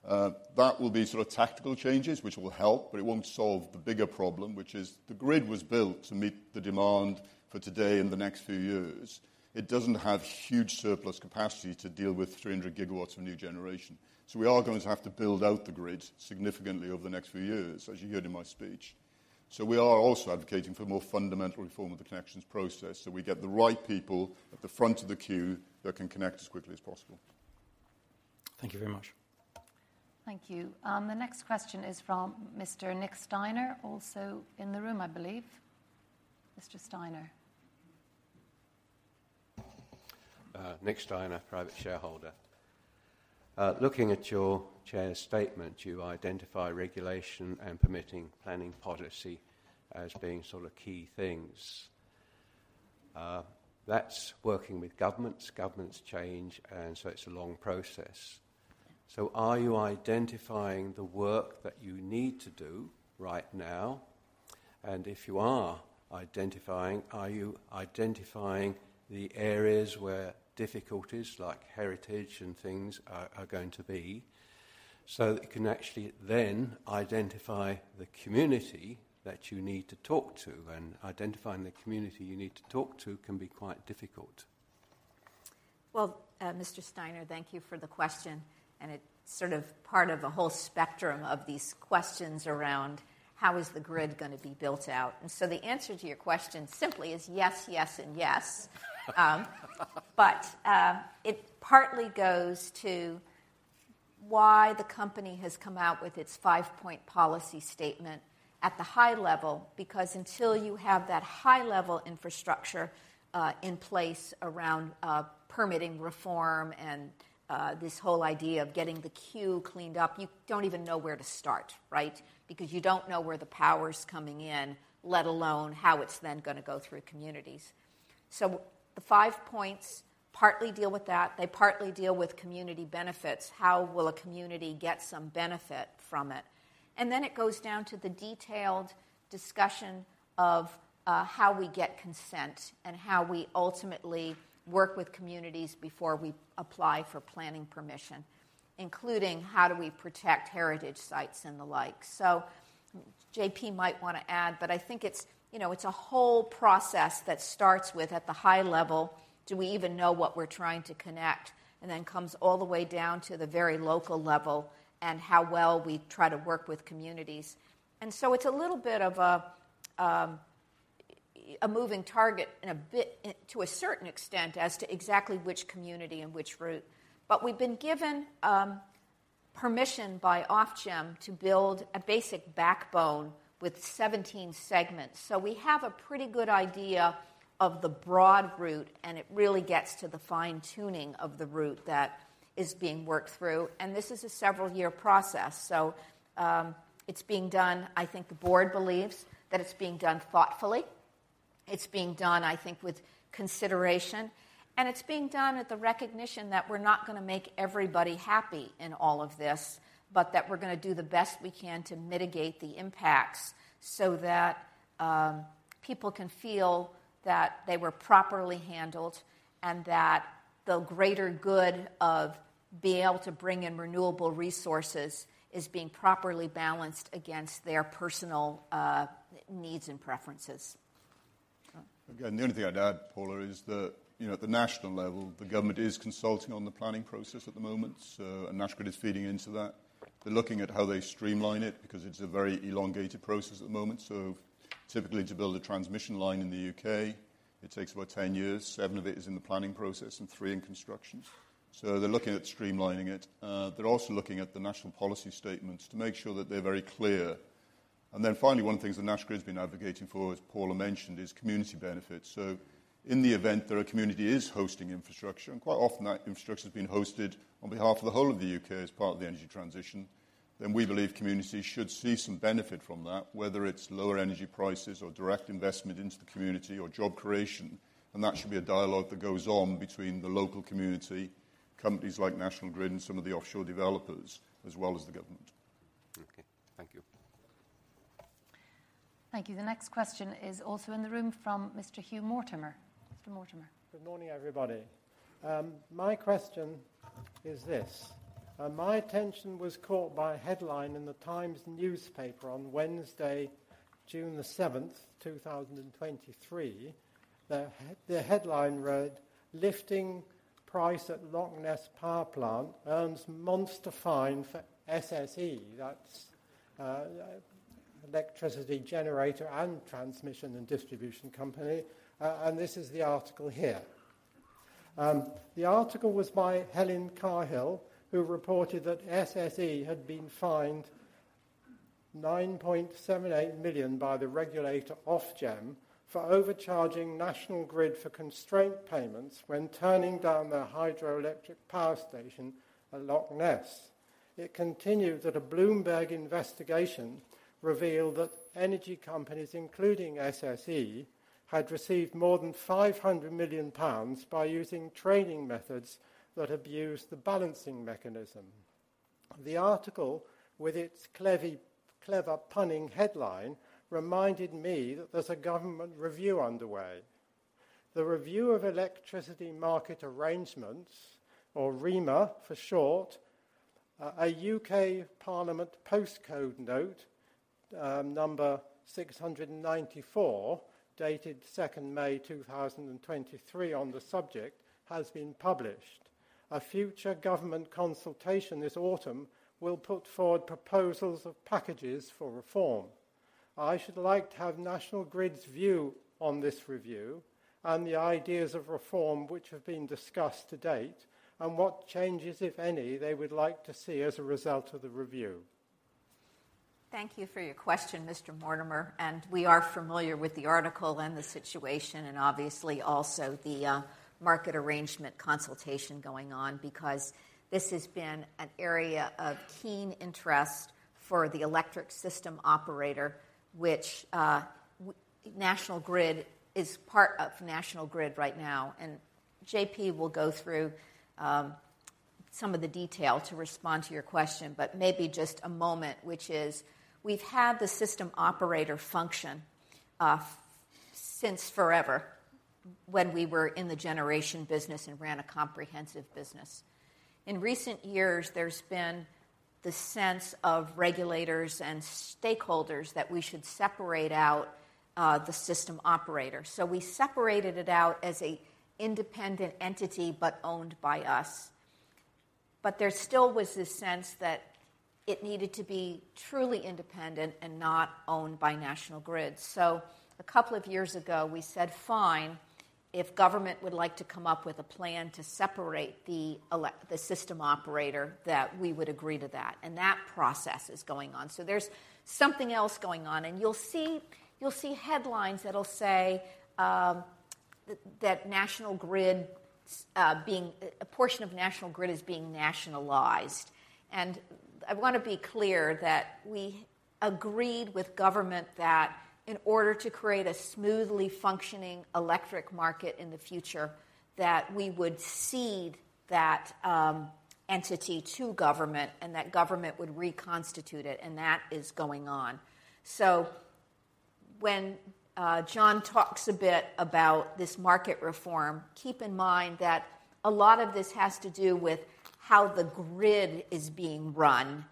That will be sort of tactical changes, which will help, but it won't solve the bigger problem, which is the grid was built to meet the demand for today and the next few years. It doesn't have huge surplus capacity to deal with 300 gigawatts of new generation. We are going to have to build out the grid significantly over the next few years, as you heard in my speech. We are also advocating for more fundamental reform of the connections process, so we get the right people at the front of the queue that can connect as quickly as possible. Thank you very much. Thank you. The next question is from Mr Nick Steiner, also in the room, I believe. Mr Steiner. Nick Steiner, private shareholder. Looking at your chair's statement, you identify regulation and permitting planning policy as being sort of key things. That's working with governments. Governments change, it's a long process. Are you identifying the work that you need to do right now? If you are identifying, are you identifying the areas where difficulties like heritage and things are going to be, so that you can actually then identify the community that you need to talk to? Identifying the community you need to talk to can be quite difficult. Mr Steiner, thank you for the question, it's sort of part of a whole spectrum of these questions around: How is the grid gonna be built out? The answer to your question simply is yes, yes, and yes. It partly goes to why the company has come out with its 5-point policy statement at the high level, because until you have that high-level infrastructure in place around permitting reform and this whole idea of getting the queue cleaned up, you don't even know where to start, right? You don't know where the power's coming in, let alone how it's then gonna go through communities. The 5 points partly deal with that. They partly deal with community benefits. How will a community get some benefit from it? It goes down to the detailed discussion of how we get consent and how we ultimately work with communities before we apply for planning permission, including how do we protect heritage sites and the like. J.P. might want to add, but I think it's, you know, it's a whole process that starts with, at the high level, do we even know what we're trying to connect? It comes all the way down to the very local level and how well we try to work with communities. It's a little bit of a moving target and a bit to a certain extent, as to exactly which community and which route. We've been given permission by Ofgem to build a basic backbone with 17 segments. We have a pretty good idea of the broad route, and it really gets to the fine-tuning of the route that is being worked through, and this is a several-year process. I think the board believes that it's being done thoughtfully. It's being done, I think, with consideration, and it's being done with the recognition that we're not gonna make everybody happy in all of this, but that we're gonna do the best we can to mitigate the impacts, so that people can feel that they were properly handled, and that the greater good of being able to bring in renewable resources is being properly balanced against their personal needs and preferences. The only thing I'd add, Paula, is that, you know, at the national level, the government is consulting on the planning process at the moment, so, and National Grid is feeding into that. They're looking at how they streamline it because it's a very elongated process at the moment. Typically, to build a transmission line in the UK, it takes about 10 years. 7 of it is in the planning process and 3 in construction. They're looking at streamlining it. They're also looking at the national policy statements to make sure that they're very clear. Finally, one of the things that National Grid has been advocating for, as Paula mentioned, is community benefits. In the event that a community is hosting infrastructure, and quite often that infrastructure is being hosted on behalf of the whole of the UK as part of the energy transition, then we believe communities should see some benefit from that, whether it's lower energy prices or direct investment into the community or job creation, and that should be a dialogue that goes on between the local community, companies like National Grid, and some of the offshore developers, as well as the government. Okay, thank you. Thank you. The next question is also in the room from Mr. Hugh Mortimer. Mr. Mortimer? Good morning, everybody. My question is this: my attention was caught by a headline in the Times newspaper on Wednesday, June 7th, 2023. The headline read, "Lifting price at Loch Ness power plant earns monster fine for SSE." That's electricity generator and transmission and distribution company, and this is the article here. The article was by Helen Cahill, who reported that SSE had been fined 9.78 million by the regulator, Ofgem, for overcharging National Grid for constraint payments when turning down their hydroelectric power station at Loch Ness. It continued that a Bloomberg investigation revealed that energy companies, including SSE, had received more than 500 million pounds by using trading methods that abused the Balancing Mechanism. The article, with its clever punning headline, reminded me that there's a government review underway. The Review of Electricity Market Arrangements, or REMA for short, a UK Parliament POSTnote, number 694, dated 2nd May 2023, on the subject, has been published. A future government consultation this autumn will put forward proposals of packages for reform. I should like to have National Grid's view on this review and the ideas of reform which have been discussed to date, and what changes, if any, they would like to see as a result of the review. Thank you for your question, Mr. Mortimer. We are familiar with the article and the situation, obviously also the market arrangement consultation going on, because this has been an area of keen interest for the electric system operator, which National Grid is part of National Grid right now, and JP will go through some of the detail to respond to your question. Maybe just a moment, which is we've had the system operator function since forever when we were in the generation business and ran a comprehensive business. In recent years, there's been the sense of regulators and stakeholders that we should separate out the system operator. We separated it out as an independent entity, but owned by us. There still was this sense that it needed to be truly independent and not owned by National Grid. A couple of years ago, we said, "Fine, if government would like to come up with a plan to separate the system operator, that we would agree to that." That process is going on. There's something else going on, and you'll see headlines that'll say, A portion of National Grid is being nationalized. I want to be clear that we agreed with government that in order to create a smoothly functioning electric market in the future, that we would cede that entity to government and that government would reconstitute it, and that is going on. When John talks a bit about this market reform, keep in mind that a lot of this has to do with how the grid is being run,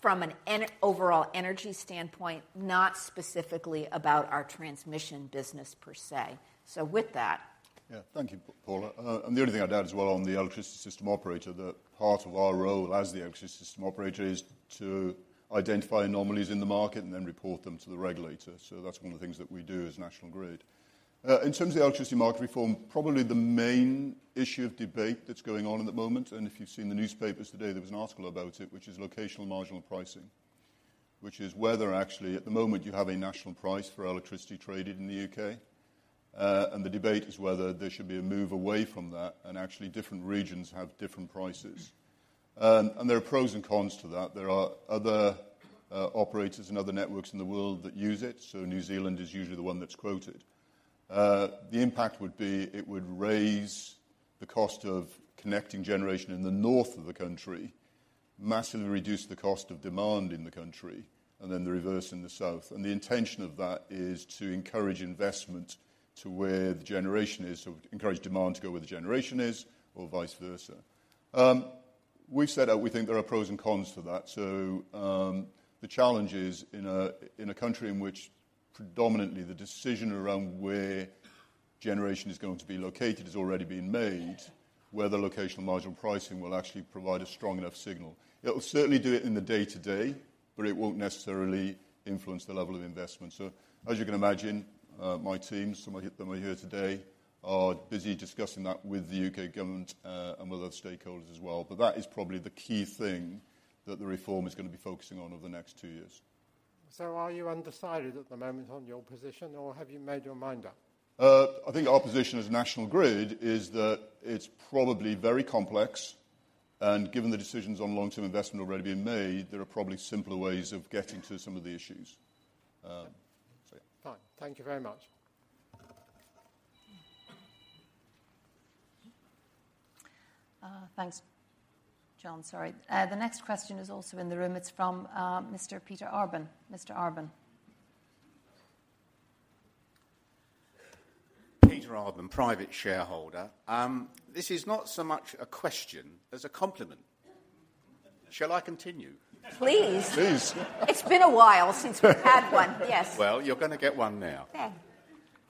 from an overall energy standpoint, not specifically about our transmission business per se. Thank you, Paula. The only thing I'd add as well on the electricity system operator, that part of our role as the electricity system operator is to identify anomalies in the market and then report them to the regulator. That's one of the things that we do as National Grid. In terms of the electricity market reform, probably the main issue of debate that's going on at the moment, and if you've seen the newspapers today, there was an article about it, which is locational marginal pricing, which is whether actually, at the moment, you have a national price for electricity traded in the UK. The debate is whether there should be a move away from that, and actually, different regions have different prices. There are pros and cons to that. There are other operators and other networks in the world that use it. New Zealand is usually the one that's quoted. The impact would be, it would raise the cost of connecting generation in the north of the country, massively reduce the cost of demand in the country, and then the reverse in the south. The intention of that is to encourage investment to where the generation is. Encourage demand to go where the generation is or vice versa. We've said that we think there are pros and cons to that. The challenge is in a country in which predominantly the decision around where generation is going to be located has already been made, whether locational marginal pricing will actually provide a strong enough signal. It will certainly do it in the day-to-day, but it won't necessarily influence the level of investment. As you can imagine, my team, some of them are here today, are busy discussing that with the U.K. government, and with other stakeholders as well. That is probably the key thing that the reform is going to be focusing on over the next two years. Are you undecided at the moment on your position, or have you made your mind up? I think our position as National Grid is that it's probably very complex, and given the decisions on long-term investment have already been made, there are probably simpler ways of getting to some of the issues. Fine. Thank you very much. Thanks, John. Sorry. The next question is also in the room. It's from Mr. Peter Arbun. Mr. Arbun? Peter Arbun, private shareholder. This is not so much a question as a compliment. Shall I continue? Please! Please. It's been a while since we've had one. Yes. Well, you're going to get one now. Okay. If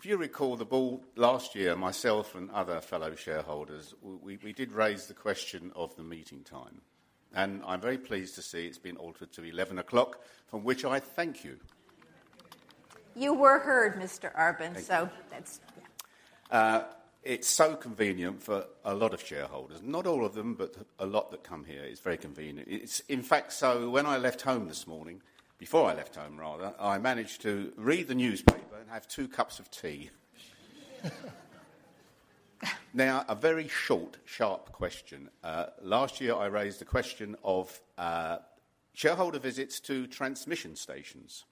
you recall the ball last year, myself and other fellow shareholders, we did raise the question of the meeting time, and I'm very pleased to see it's been altered to 11 o'clock, from which I thank you. You were heard, Mr. Arbun, so that's, yeah. It's so convenient for a lot of shareholders, not all of them, but a lot that come here, it's very convenient. It's in fact so, when I left home this morning, before I left home, rather, I managed to read the newspaper and have 2 cups of tea. A very short, sharp question. Last year, I raised the question of shareholder visits to transmission stations.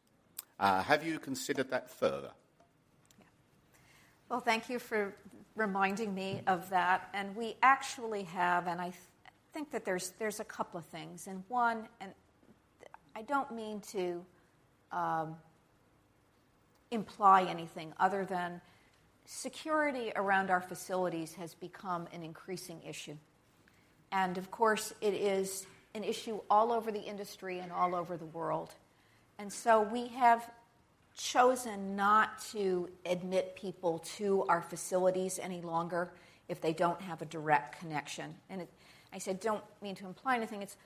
Have you considered that further? Yeah. Well, thank you for reminding me of that, and we actually have, and I think that there's a couple of things, and one, I don't mean to imply anything other than security around our facilities has become an increasing issue. Of course, it is an issue all over the industry and all over the world, and so we have chosen not to admit people to our facilities any longer if they don't have a direct connection. It, I said, "don't mean to imply anything," it's,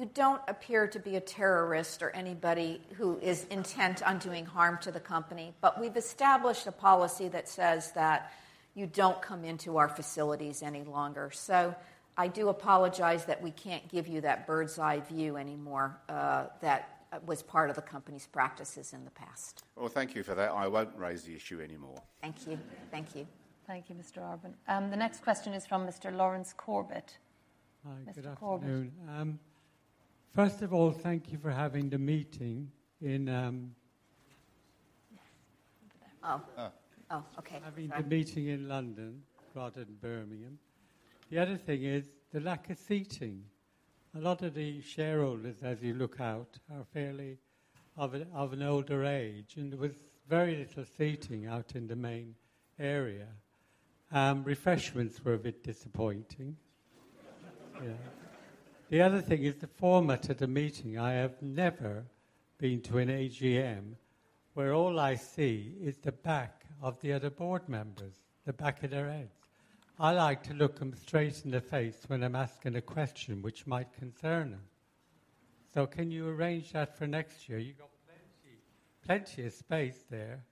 you don't appear to be a terrorist or anybody who is intent on doing harm to the company, but we've established a policy that says that you don't come into our facilities any longer. I do apologize that we can't give you that bird's eye view anymore, that was part of the company's practices in the past. Well, thank you for that. I won't raise the issue anymore. Thank you. Thank you. Thank you, Mr. Arbun. The next question is from Mr. Lawrence Corbett. Hi, good afternoon. Mr. Corbett. First of all, thank you for having the meeting in. Oh. Uh. Oh, okay. Having the meeting in London rather than Birmingham. The other thing is the lack of seating. A lot of the shareholders, as you look out, are fairly of an older age, and there was very little seating out in the main area. Refreshments were a bit disappointing. Yeah. The other thing is the format of the meeting. I have never been to an AGM where all I see is the back of the other board members, the back of their heads. I like to look them straight in the face when I'm asking a question which might concern them. Can you arrange that for next year? You've got plenty of space there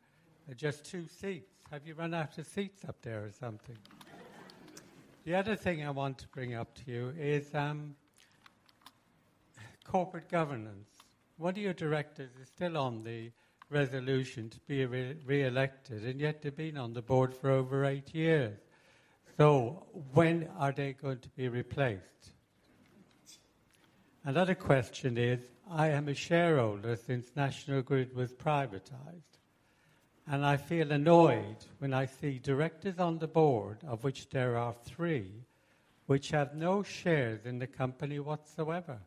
and just two seats. Have you run out of seats up there or something? The other thing I want to bring up to you is corporate governance. One of your directors is still on the resolution to be reelected, yet they've been on the board for over eight years. When are they going to be replaced? Another question is, I am a shareholder since National Grid was privatized, I feel annoyed when I see directors on the board, of which there are three, which have no shares in the company whatsoever.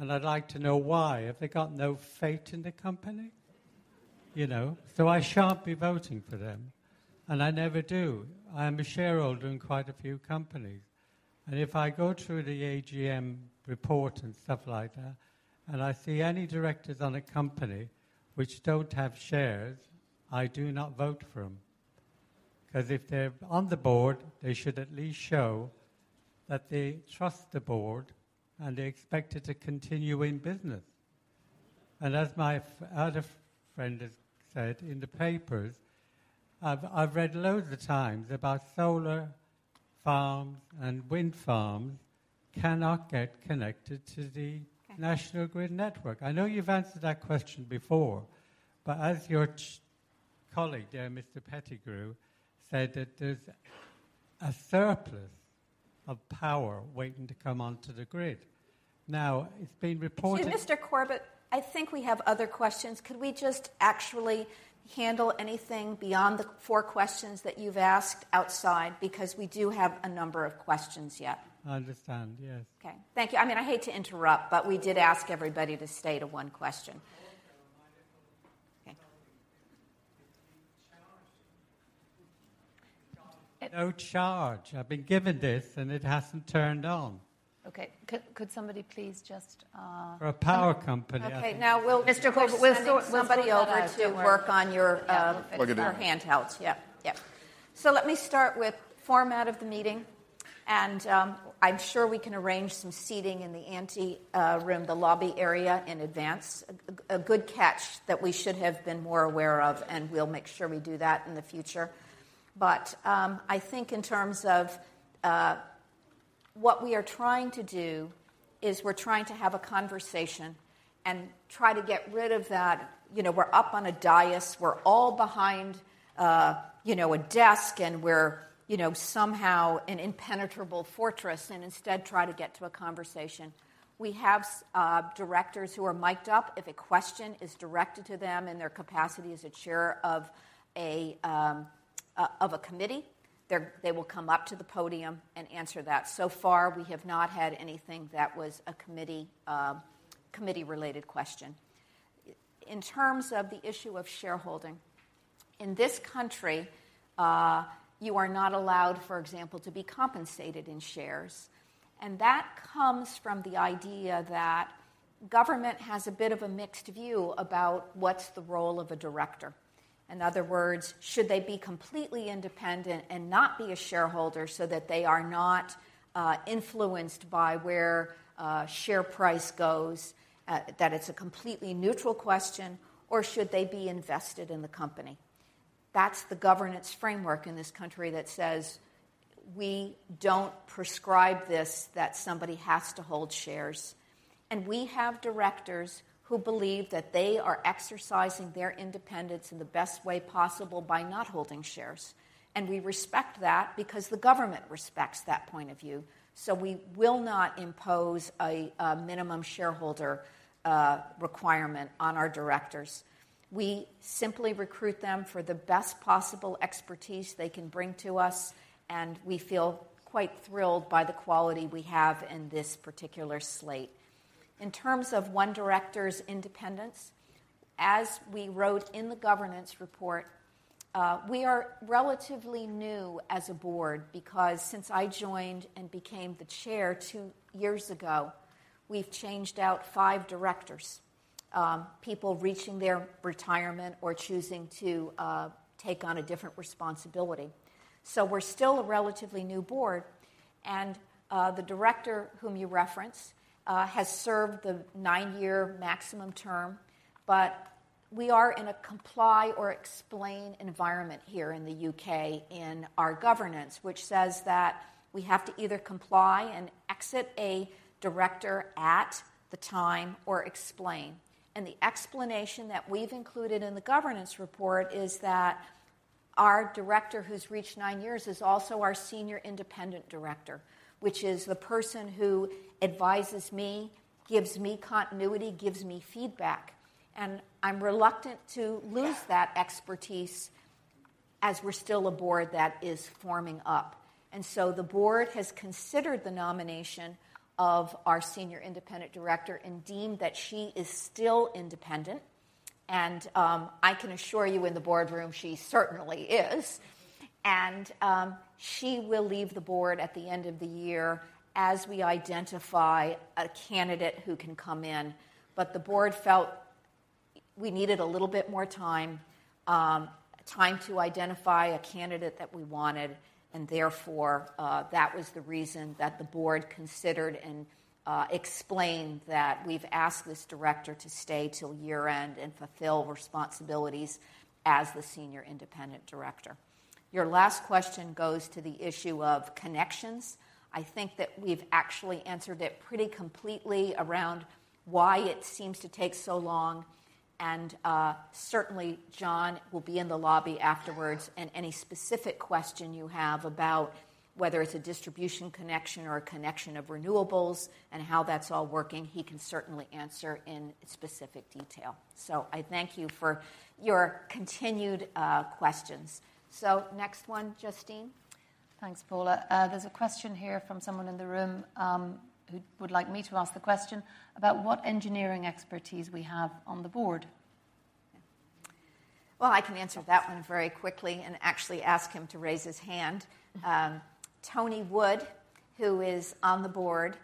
I'd like to know why. Have they got no faith in the company? You know, I shan't be voting for them, I never do. I am a shareholder in quite a few companies, if I go through the AGM report and stuff like that, I see any directors on a company which don't have shares, I do not vote for them. If they're on the board, they should at least show that they trust the board and they expect it to continue in business. As my other friend has said, in the papers, I've read loads of times about solar farms and wind farms cannot get connected to the. Okay. National Grid network. I know you've answered that question before. As your colleague, Mr. Pettigrew, said that there's a surplus of power waiting to come onto the grid. It's been reported- Excuse Mr. Corbett, I think we have other questions. Could we just actually handle anything beyond the four questions that you've asked outside? We do have a number of questions yet. I understand, yes. Okay, thank you. I mean, I hate to interrupt. We did ask everybody to stay to one question. Okay. No charge. I've been given this, and it hasn't turned on. Okay, could somebody please just? For a power company, I. Okay, now. Mr. Corbett, we'll send somebody over to work on your. Plug it in. your handheld, yep. Let me start with format of the meeting, and I'm sure we can arrange some seating in the ante room, the lobby area, in advance. A good catch that we should have been more aware of, and we'll make sure we do that in the future. I think in terms of what we are trying to do is we're trying to have a conversation and try to get rid of that, you know, we're up on a dais, we're all behind, you know, a desk, and we're, you know, somehow an impenetrable fortress, and instead try to get to a conversation. We have directors who are mic'd up. If a question is directed to them in their capacity as a chair of a, of a committee, they will come up to the podium and answer that. So far, we have not had anything that was a committee-related question. In terms of the issue of shareholding, in this country, you are not allowed, for example, to be compensated in shares, and that comes from the idea that government has a bit of a mixed view about what's the role of a director. In other words, should they be completely independent and not be a shareholder so that they are not influenced by where a share price goes, that it's a completely neutral question, or should they be invested in the company? That's the governance framework in this country that says, we don't prescribe this, that somebody has to hold shares. We have directors who believe that they are exercising their independence in the best way possible by not holding shares, and we respect that because the government respects that point of view. We will not impose a minimum shareholder requirement on our directors. We simply recruit them for the best possible expertise they can bring to us, and we feel quite thrilled by the quality we have in this particular slate. In terms of one director's independence, as we wrote in the governance report, we are relatively new as a board because since I joined and became the chair 2 years ago, we've changed out 5 directors, people reaching their retirement or choosing to take on a different responsibility. We're still a relatively new board, and the director whom you referenced has served the 9-year maximum term. We are in a comply or explain environment here in the UK in our governance, which says that we have to either comply and exit a director at the time or explain. The explanation that we've included in the governance report is that our director, who's reached nine years, is also our senior independent director, which is the person who advises me, gives me continuity, gives me feedback, and I'm reluctant to lose that expertise as we're still a board that is forming up. The board has considered the nomination of our senior independent director and deemed that she is still independent, and I can assure you in the boardroom, she certainly is. She will leave the board at the end of the year as we identify a candidate who can come in. The board felt we needed a little bit more time to identify a candidate that we wanted, and therefore, that was the reason that the board considered and explained that we've asked this director to stay till year-end and fulfill responsibilities as the senior independent director. Your last question goes to the issue of connections. I think that we've actually answered it pretty completely around why it seems to take so long, certainly, John will be in the lobby afterwards, and any specific question you have about whether it's a distribution connection or a connection of renewables and how that's all working, he can certainly answer in specific detail. I thank you for your continued questions. Next one, Justine? Thanks, Paula. There's a question here from someone in the room, who would like me to ask a question about what engineering expertise we have on the board. Well, I can answer that one very quickly and actually ask him to raise his hand. Mm-hmm. Tony Wood, who is on the board,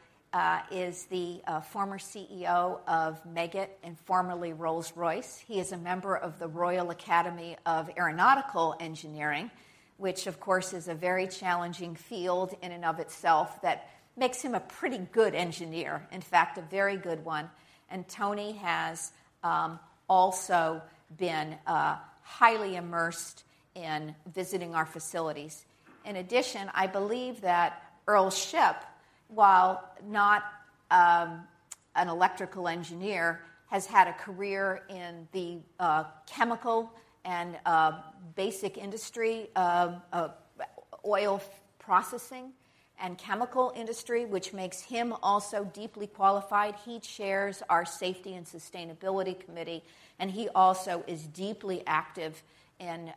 is the former CEO of Meggitt and formerly Rolls-Royce. He is a member of the Royal Academy of Engineering, which of course, is a very challenging field in and of itself, that makes him a pretty good engineer, in fact, a very good one. Tony has also been highly immersed in visiting our facilities. In addition, I believe that Earl Shipp, while not an electrical engineer, has had a career in the chemical and basic industry of oil processing and chemical industry, which makes him also deeply qualified. He chairs our Safety and Sustainability Committee, and he also is deeply active in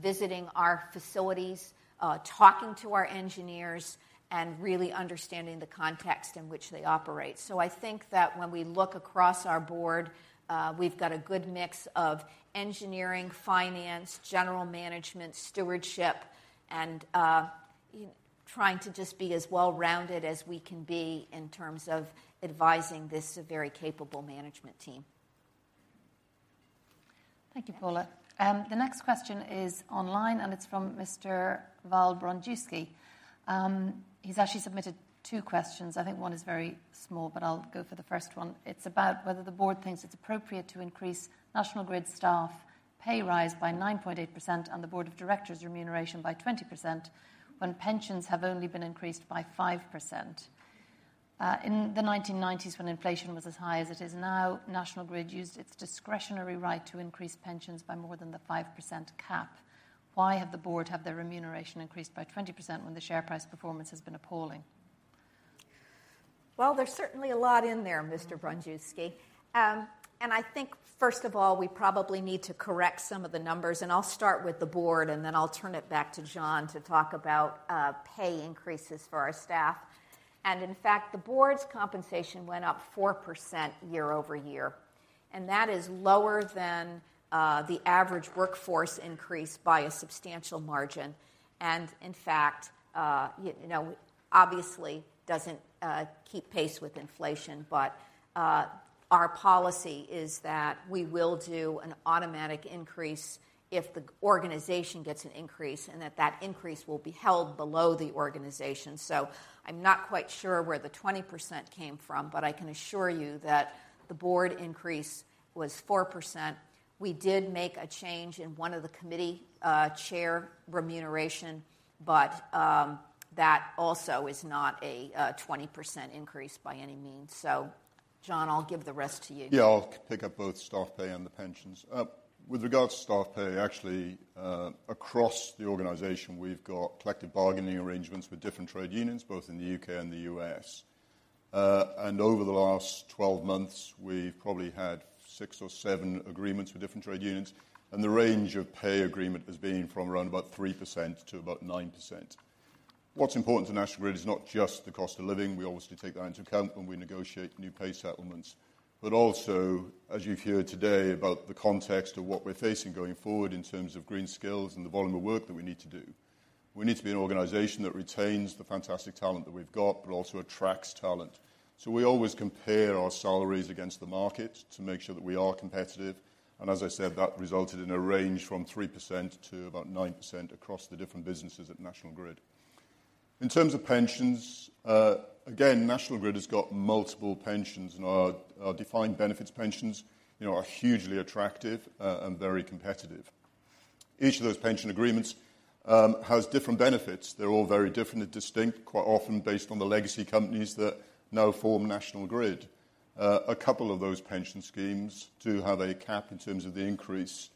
visiting our facilities, talking to our engineers, and really understanding the context in which they operate. I think that when we look across our board, we've got a good mix of engineering, finance, general management, stewardship, and, trying to just be as well-rounded as we can be in terms of advising this very capable management team. Thank you, Paula. The next question is online, it's from Mr. Val Broniewski. He's actually submitted 2 questions. I think 1 is very small, I'll go for the first one. It's about whether the board thinks it's appropriate to increase National Grid's staff pay rise by 9.8% and the board of directors' remuneration by 20% when pensions have only been increased by 5%. In the 1990s, when inflation was as high as it is now, National Grid used its discretionary right to increase pensions by more than the 5% cap. Why have the board their remuneration increased by 20% when the share price performance has been appalling? There's certainly a lot in there, Mr. Broniewski. I think, first of all, we probably need to correct some of the numbers, and I'll start with the board, and then I'll turn it back to John Pettigrew to talk about pay increases for our staff. In fact, the board's compensation went up 4% year-over-year, and that is lower than the average workforce increase by a substantial margin. In fact, you know, obviously doesn't keep pace with inflation, but our policy is that we will do an automatic increase if the organization gets an increase, and that that increase will be held below the organization. I'm not quite sure where the 20% came from, but I can assure you that the board increase was 4%. We did make a change in one of the committee, chair remuneration, but that also is not a, 20% increase by any means. John, I'll give the rest to you. Yeah, I'll pick up both staff pay and the pensions. With regards to staff pay, actually, across the organization, we've got collective bargaining arrangements with different trade unions, both in the UK and the US. Over the last 12 months, we've probably had six or seven agreements with different trade unions, and the range of pay agreement has been from around about 3% to about 9%. What's important to National Grid is not just the cost of living, we obviously take that into account when we negotiate new pay settlements, but also, as you've heard today, about the context of what we're facing going forward in terms of green skills and the volume of work that we need to do. We need to be an organization that retains the fantastic talent that we've got, but also attracts talent. We always compare our salaries against the market to make sure that we are competitive, and as I said, that resulted in a range from 3% to about 9% across the different businesses at National Grid. In terms of pensions, again, National Grid has got multiple pensions, and our defined benefits pensions, you know, are hugely attractive and very competitive. Each of those pension agreements has different benefits. They're all very different and distinct, quite often based on the legacy companies that now form National Grid. A couple of those pension schemes do have a cap in terms of the increase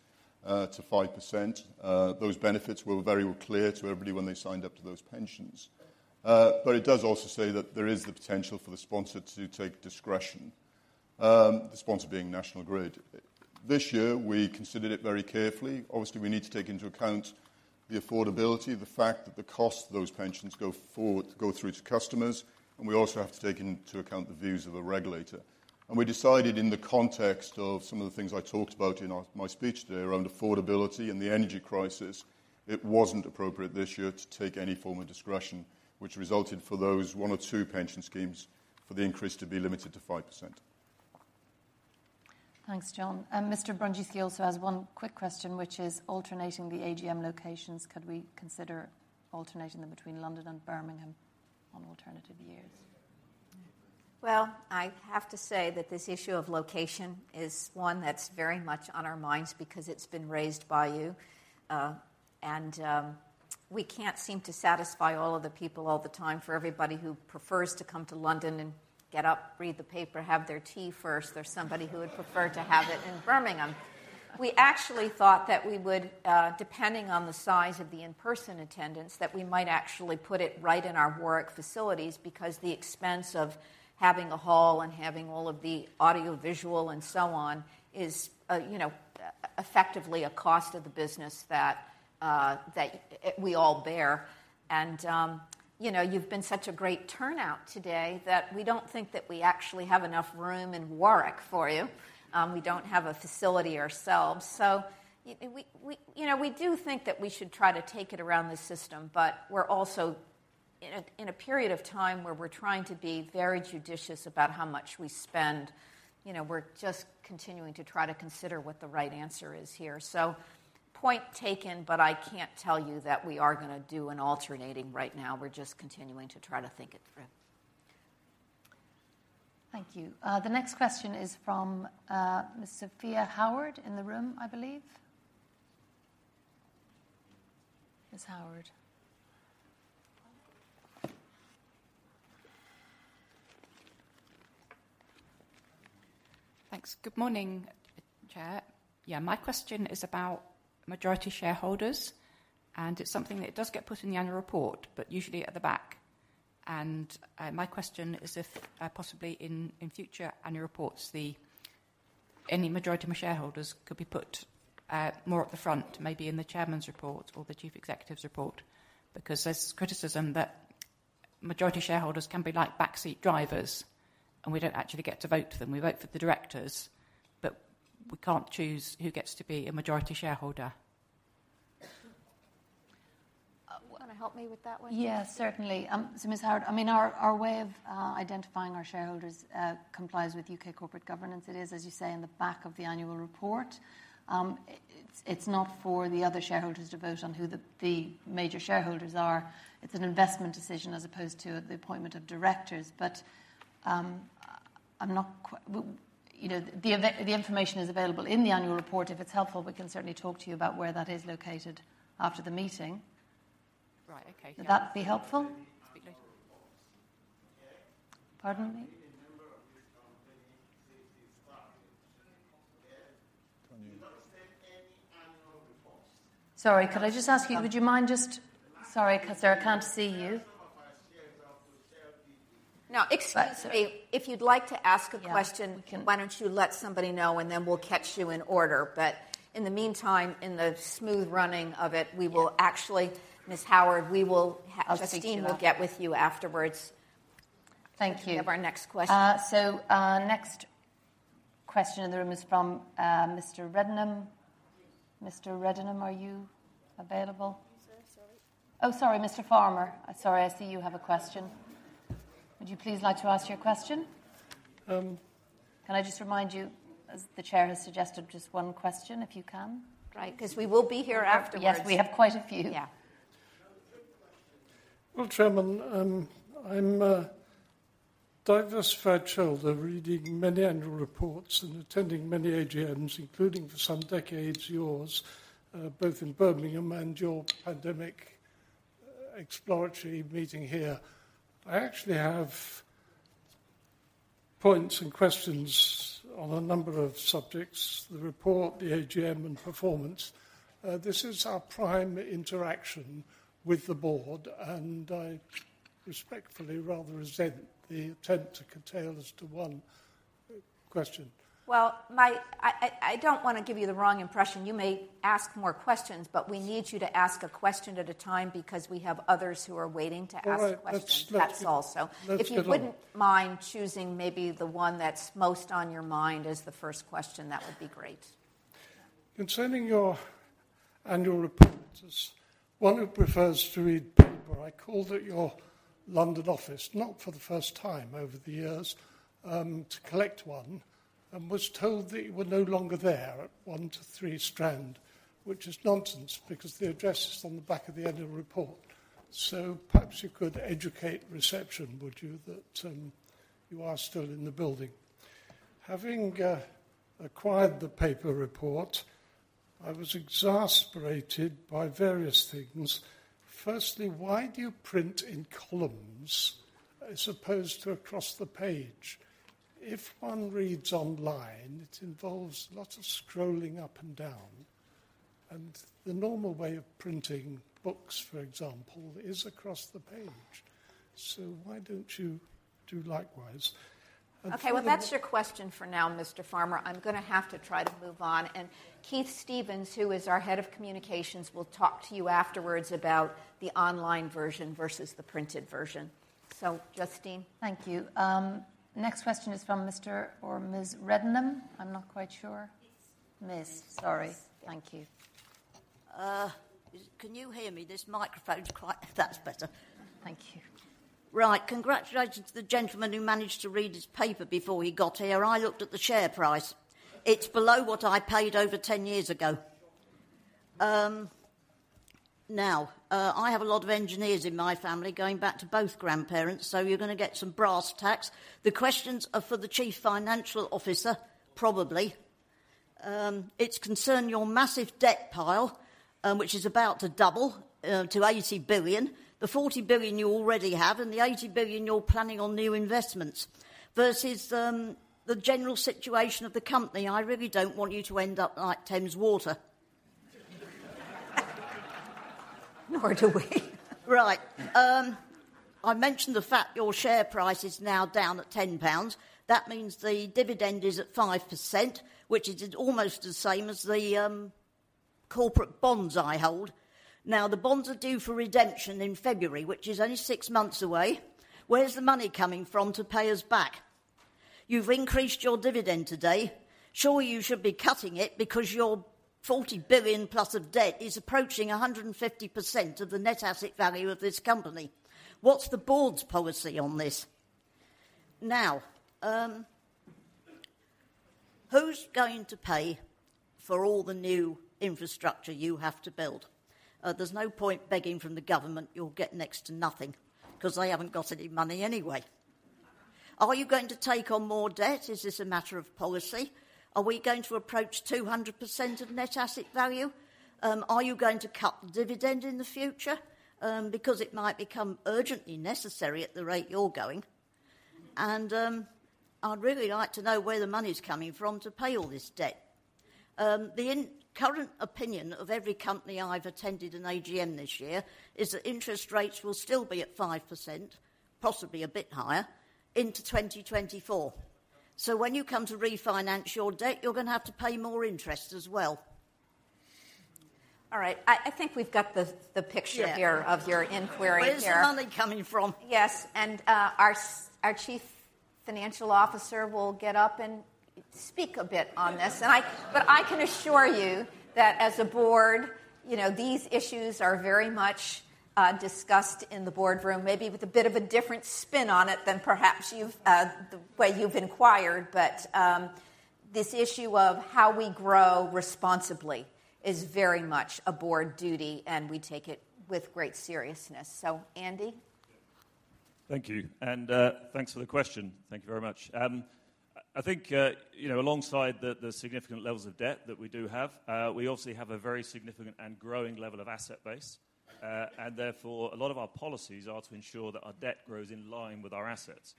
to 5%. Those benefits were very clear to everybody when they signed up to those pensions. It does also say that there is the potential for the sponsor to take discretion, the sponsor being National Grid. This year, we considered it very carefully. Obviously, we need to take into account the affordability, the fact that the cost of those pensions go forward, go through to customers, and we also have to take into account the views of the regulator. We decided in the context of some of the things I talked about in our, my speech today around affordability and the energy crisis, it wasn't appropriate this year to take any form of discretion, which resulted for those 1 or 2 pension schemes for the increase to be limited to 5%. Thanks, John. Mr. Broniewski also has one quick question, which is alternating the AGM locations. Could we consider alternating them between London and Birmingham on alternative years? Well, I have to say that this issue of location is one that's very much on our minds because it's been raised by you. We can't seem to satisfy all of the people all the time. For everybody who prefers to come to London and get up, read the paper, have their tea first, there's somebody who would prefer to have it in Birmingham. We actually thought that we would, depending on the size of the in-person attendance, that we might actually put it right in our Warwick facilities because the expense of having a hall and having all of the audiovisual and so on is, you know, effectively a cost of the business that we all bear. You know, you've been such a great turnout today that we don't think that we actually have enough room in Warwick for you. We don't have a facility ourselves. You know, we do think that we should try to take it around the system, but we're also in a period of time where we're trying to be very judicious about how much we spend. We're just continuing to try to consider what the right answer is here. Point taken, but I can't tell you that we are gonna do an alternating right now. We're just continuing to try to think it through. Thank you. The next question is from Miss Sophia Howard, in the room, I believe? Ms. Howard. Thanks. Good morning, Chair. My question is about majority shareholders, and it's something that does get put in the annual report, but usually at the back. My question is if possibly in future annual reports, any majority shareholders could be put more at the front, maybe in the chairman's report or the chief executive's report. There's criticism that majority shareholders can be like backseat drivers, and we don't actually get to vote for them. We vote for the directors, but we can't choose who gets to be a majority shareholder. Wanna help me with that one? Yes, certainly. Ms. Sophia Howard, I mean, our way of identifying our shareholders complies with U.K. corporate governance. It is, as you say, in the back of the annual report. It's not for the other shareholders to vote on who the major shareholders are. It's an investment decision as opposed to the appointment of directors. You know, the information is available in the annual report. If it's helpful, we can certainly talk to you about where that is located after the meeting. Right, okay. Would that be helpful?... annual reports. Pardon me? I've been a member of this company since it started, okay? We do not receive any annual reports. Sorry, could I just ask you, would you mind just... Sorry, 'cause I can't see you. Some of our shares are to share. Excuse me. Right, sorry. If you'd like to ask a question. Yeah why don't you let somebody know, and then we'll catch you in order. In the meantime, in the smooth running of it. Yeah... we will actually, Ms. Howard, we will. I'll speak to you. Justine will get with you afterwards. Thank you. We have our next question. Next question in the room is from Mr. Reddenham. Mr. Reddenham, are you available? Sir, sorry. Oh, sorry, Mr. Farmer. Sorry, I see you have a question. Would you please like to ask your question? Um- Can I just remind you, as the Chair has suggested, just one question, if you can? Right, 'cause we will be here afterwards. Yes, we have quite a few. Yeah. Chairman, I'm a diverse shareholder, reading many annual reports and attending many AGMs, including for some decades, yours, both in Birmingham and your pandemic exploratory meeting here. I actually have points and questions on a number of subjects: the report, the AGM, and performance. This is our prime interaction with the board. I respectfully rather resent the attempt to curtail us to 1 question. Well, I don't want to give you the wrong impression. You may ask more questions, but we need you to ask a question at a time because we have others who are waiting to ask questions. All right. Let's- That's all. Let's get on. If you wouldn't mind choosing maybe the one that's most on your mind as the first question, that would be great. Concerning your annual report, as one who prefers to read paper, I called at your London office, not for the first time over the years, to collect one, and was told that you were no longer there at 1-3 Strand, which is nonsense, because the address is on the back of the annual report. Perhaps you could educate reception, would you, that, you are still in the building? Having acquired the paper report, I was exasperated by various things. Firstly, why do you print in columns as opposed to across the page? If one reads online, it involves a lot of scrolling up and down, and the normal way of printing books, for example, is across the page. Why don't you do likewise? Okay, well, that's your question for now, Mr. Farmer. I'm gonna have to try to move on. Keith Stevens, who is our Head of Communications, will talk to you afterwards about the online version versus the printed version. Justine? Thank you. Next question is from Mr. or Ms. Reddenham. I'm not quite sure. It's Ms. Ms., sorry. Thank you. Can you hear me? This microphone's quite... That's better. Thank you. Right. Congratulations to the gentleman who managed to read his paper before he got here. I looked at the share price. It's below what I paid over 10 years ago. now, I have a lot of engineers in my family, going back to both grandparents, you're gonna get some brass tacks. The questions are for the Chief Financial Officer, probably. It's concerned your massive debt pile, which is about to double, to 80 billion. The 40 billion you already have and the 80 billion you're planning on new investments versus the general situation of the company. I really don't want you to end up like Thames Water. Nor do we. Right. I mentioned the fact your share price is now down at 10 pounds. That means the dividend is at 5%, which is almost the same as the corporate bonds I hold. The bonds are due for redemption in February, which is only 6 months away. Where's the money coming from to pay us back? You've increased your dividend today. Surely you should be cutting it because your 40 billion plus of debt is approaching 150% of the net asset value of this company. What's the board's policy on this? Who's going to pay for all the new infrastructure you have to build? There's no point begging from the government. You'll get next to nothing, 'cause they haven't got any money anyway. Are you going to take on more debt? Is this a matter of policy? Are we going to approach 200% of net asset value? Are you going to cut the dividend in the future? It might become urgently necessary at the rate you're going. I'd really like to know where the money's coming from to pay all this debt. The current opinion of every company I've attended an AGM this year, is that interest rates will still be at 5%, possibly a bit higher, into 2024. When you come to refinance your debt, you're gonna have to pay more interest as well. All right. I think we've got the picture here. Yeah. of your inquiry here. Where is the money coming from? Yes, our Chief Financial Officer will get up and speak a bit on this. But I can assure you that as a board, you know, these issues are very much discussed in the boardroom. Maybe with a bit of a different spin on it than perhaps you've the way you've inquired, but this issue of how we grow responsibly is very much a board duty, and we take it with great seriousness. Andy? Thank you. Thanks for the question. Thank you very much. I think, you know, alongside the significant levels of debt that we do have, we obviously have a very significant and growing level of asset base. Therefore, a lot of our policies are to ensure that our debt grows in line with our assets.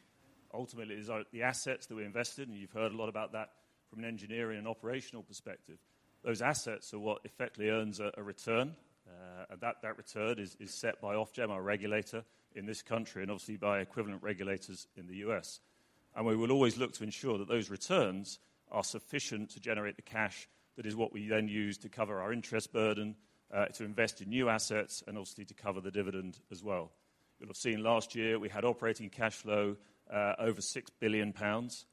Ultimately, it is the assets that we invested, and you've heard a lot about that from an engineering and operational perspective. Those assets are what effectively earns a return, and that return is set by Ofgem, our regulator in this country, and obviously by equivalent regulators in the U.S. We will always look to ensure that those returns are sufficient to generate the cash, that is what we then use to cover our interest burden, to invest in new assets, and obviously to cover the dividend as well. You'll have seen last year, we had operating cash flow, over 6 billion pounds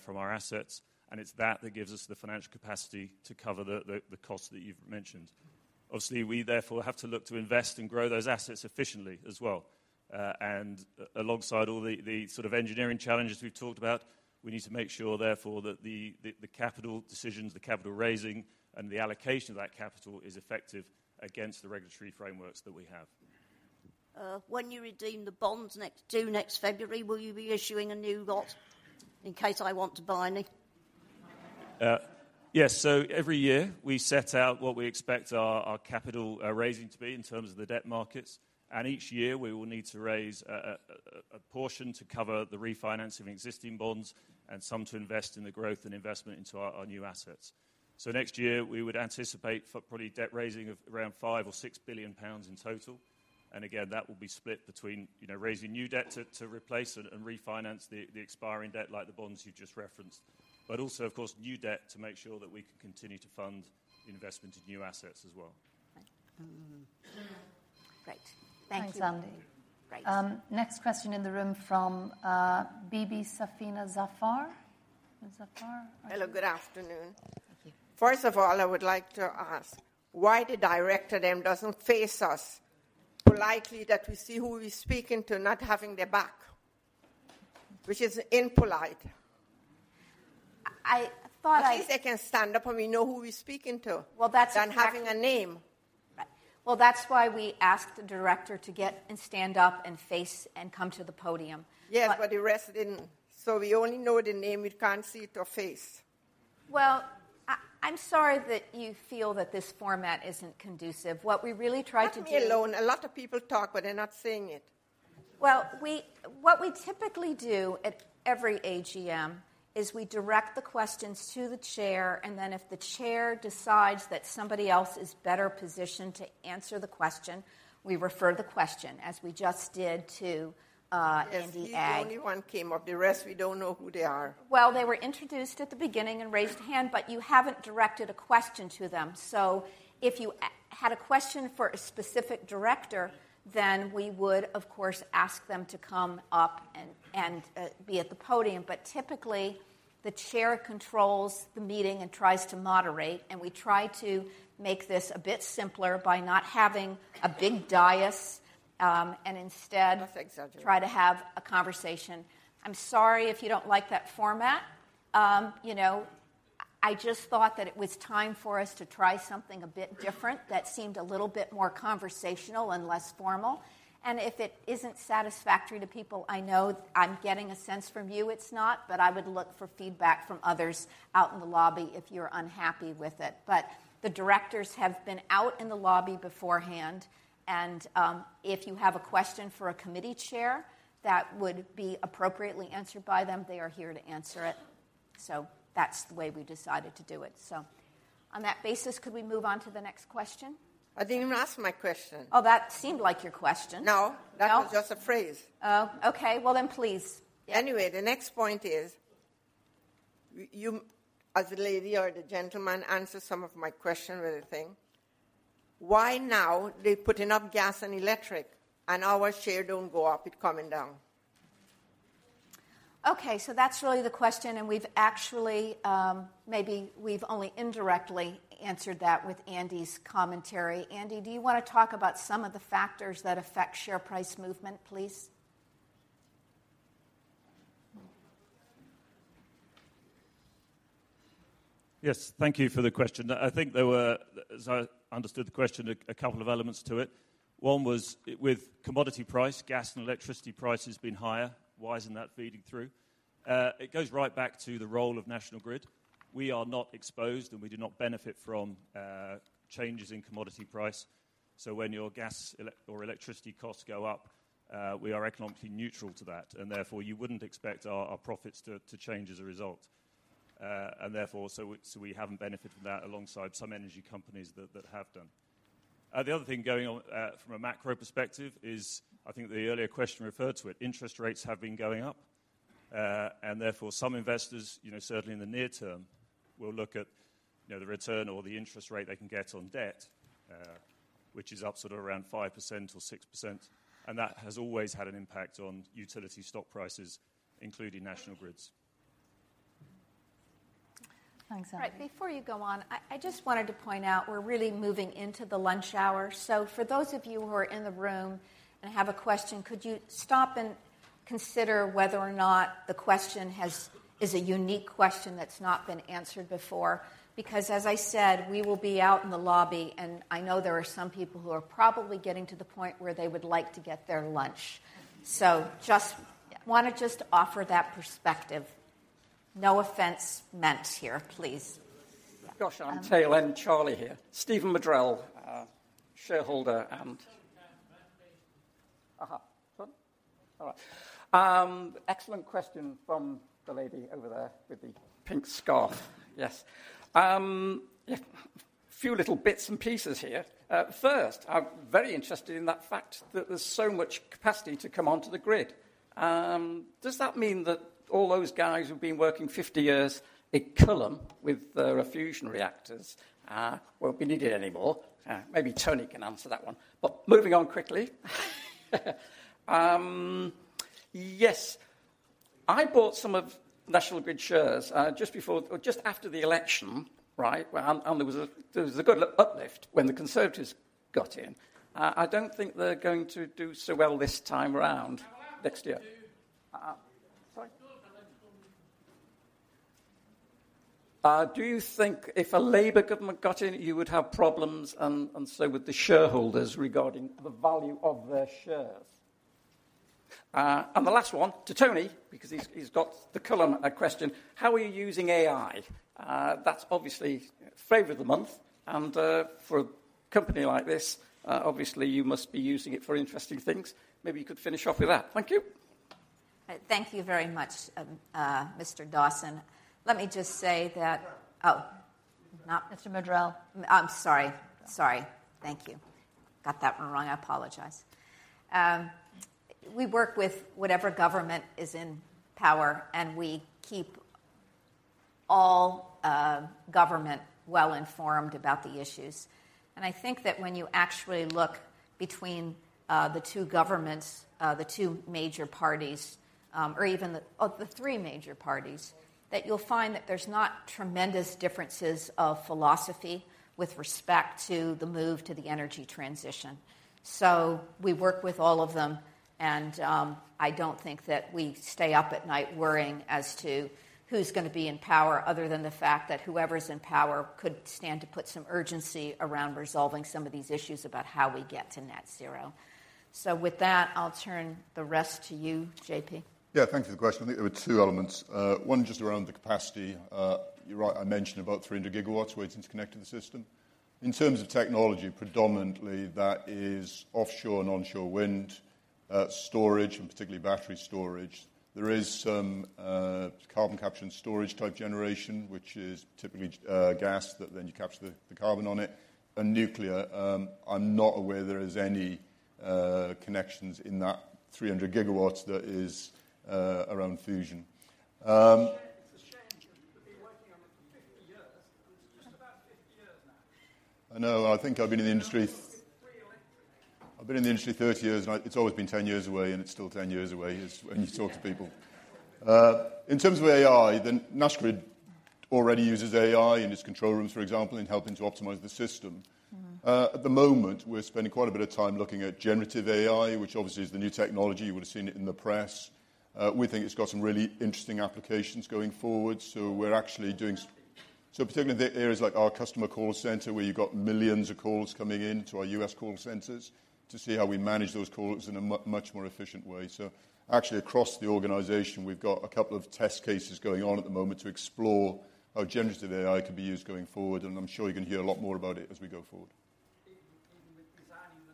from our assets, and it's that that gives us the financial capacity to cover the costs that you've mentioned. Obviously, we therefore have to look to invest and grow those assets efficiently as well. Alongside all the sort of engineering challenges we've talked about, we need to make sure therefore, that the capital decisions, the capital raising, and the allocation of that capital is effective against the regulatory frameworks that we have. When you redeem the bonds due next February, will you be issuing a new lot, in case I want to buy any? Yes. Every year, we set out what we expect our capital raising to be in terms of the debt markets. Each year, we will need to raise a portion to cover the refinancing of existing bonds and some to invest in the growth and investment into our new assets. Next year, we would anticipate for probably debt raising of around 5 billion or 6 billion pounds in total. Again, that will be split between, you know, raising new debt to replace and refinance the expiring debt, like the bonds you just referenced. Also of course, new debt to make sure that we can continue to fund investment in new assets as well. Mm-hmm. Great. Thank you. Thanks, Andy. Great. Next question in the room from, Bibi Safina Zafar. Zafar? Hello, good afternoon. Thank you. First of all, I would like to ask, why the director then doesn't face us politely, that we see who we're speaking to, not having their back? Which is impolite. I thought. At least they can stand up, and we know who we're speaking to. Well, that's exactly. than having a name. Right. Well, that's why we asked the director to get and stand up and face and come to the podium. Yes, the rest didn't. We only know the name, we can't see their face. Well, I'm sorry that you feel that this format isn't conducive. What we really tried to do. Not me alone. A lot of people talk, but they're not saying it. Well, what we typically do at every AGM is we direct the questions to the chair, and then if the chair decides that somebody else is better positioned to answer the question, we refer the question, as we just did to, Andy Agg. Yes, he's the only one came up. The rest, we don't know who they are. They were introduced at the beginning and raised hand, but you haven't directed a question to them. If you had a question for a specific director, then we would, of course, ask them to come up and be at the podium. Typically, the chair controls the meeting and tries to moderate, and we try to make this a bit simpler by not having a big dais, and instead- That's exaggerated.... try to have a conversation. I'm sorry if you don't like that format. You know, I just thought that it was time for us to try something a bit different, that seemed a little bit more conversational and less formal. If it isn't satisfactory to people, I know I'm getting a sense from you it's not, but I would look for feedback from others out in the lobby if you're unhappy with it. The directors have been out in the lobby beforehand, and if you have a question for a committee chair that would be appropriately answered by them, they are here to answer it. That's the way we decided to do it. On that basis, could we move on to the next question? I didn't even ask my question. Oh, that seemed like your question. No- No? that was just a phrase. Oh, okay. Well, please. Yeah. The next point is, you, as the lady or the gentleman, answer some of my question with the thing. Why now they're putting up gas and electric, and our share don't go up, it coming down? Okay, that's really the question, and we've actually, maybe we've only indirectly answered that with Andy's commentary. Andy, do you wanna talk about some of the factors that affect share price movement, please? Yes, thank you for the question. I think there were, as I understood the question, a couple of elements to it. One was with commodity price, gas and electricity prices being higher, why isn't that feeding through? It goes right back to the role of National Grid. We are not exposed, and we do not benefit from changes in commodity price. When your gas or electricity costs go up, we are economically neutral to that, and therefore, you wouldn't expect our profits to change as a result. Therefore, we haven't benefited from that alongside some energy companies that have done. The other thing going on from a macro perspective is, I think the earlier question referred to it, interest rates have been going up. Therefore, some investors, you know, certainly in the near term, will look at, you know, the return or the interest rate they can get on debt, which is up sort of around 5% or 6%, and that has always had an impact on utility stock prices, including National Grid's. Thanks, Anthony. Before you go on, I just wanted to point out we're really moving into the lunch hour. For those of you who are in the room and have a question, could you stop and consider whether or not the question is a unique question that's not been answered before? As I said, we will be out in the lobby, and I know there are some people who are probably getting to the point where they would like to get their lunch. Just wanna just offer that perspective. No offense meant here, please. Gosh, I'm tail-end Charlie here. Stephen Maddrell, shareholder.... Sorry. All right. Excellent question from the lady over there with the pink scarf. Yes. Yeah, a few little bits and pieces here. First, I'm very interested in that fact that there's so much capacity to come onto the grid. Does that mean that all those guys who've been working 50 years at Culham with the fusion reactors, won't be needed anymore? Maybe Tony can answer that one. Moving on quickly, yes, I bought some of National Grid shares just before or just after the election, right? There was a good uplift when the Conservatives got in. I don't think they're going to do so well this time around, next year. Well, how do you... Sorry. Talk about electoral. Do you think if a Labour government got in, you would have problems and so would the shareholders regarding the value of their shares? The last one to Tony, because he's got the Culham question: How are you using AI? That's obviously favorite of the month, and for a company like this, obviously, you must be using it for interesting things. Maybe you could finish off with that. Thank you. Thank you very much, Mr. Dawson. Let me just say that... Mr. Maddrell. Not Mr. Maddrell. I'm sorry. Sorry. Thank you. Got that one wrong. I apologize. We work with whatever government is in power, and we keep all government well informed about the issues. I think that when you actually look between the two governments, the two major parties, or even the three major parties, that you'll find that there's not tremendous differences of philosophy with respect to the move to the energy transition. We work with all of them, and I don't think that we stay up at night worrying as to who's gonna be in power, other than the fact that whoever's in power could stand to put some urgency around resolving some of these issues about how we get to net zero. With that, I'll turn the rest to you, JP. Yeah, thank you for the question. I think there were two elements. One, just around the capacity. You're right, I mentioned about 300 gigawatts were interconnected to the system. In terms of technology, predominantly, that is offshore and onshore wind, storage, and particularly battery storage. There is some carbon capture and storage-type generation, which is typically gas, that then you capture the carbon on it, and nuclear. I'm not aware there is any connections in that 300 gigawatts that is around fusion. It's a shame because you've been working on it for 50 years. It's just about 50 years now. I know, and I think I've been in the industry. Three electric I've been in the industry 30 years, it's always been 10 years away, and it's still 10 years away, is when you talk to people. Yeah. In terms of AI, National Grid already uses AI in its control rooms, for example, in helping to optimize the system. Mm. At the moment, we're spending quite a bit of time looking at generative AI, which obviously is the new technology. You would have seen it in the press. We think it's got some really interesting applications going forward, so we're actually doing particularly the areas like our customer call center, where you've got millions of calls coming in to our U.S. call centers, to see how we manage those calls in a much more efficient way. Actually, across the organization, we've got a couple of test cases going on at the moment to explore how generative AI can be used going forward, and I'm sure you're going to hear a lot more about it as we go forward. Even with designing the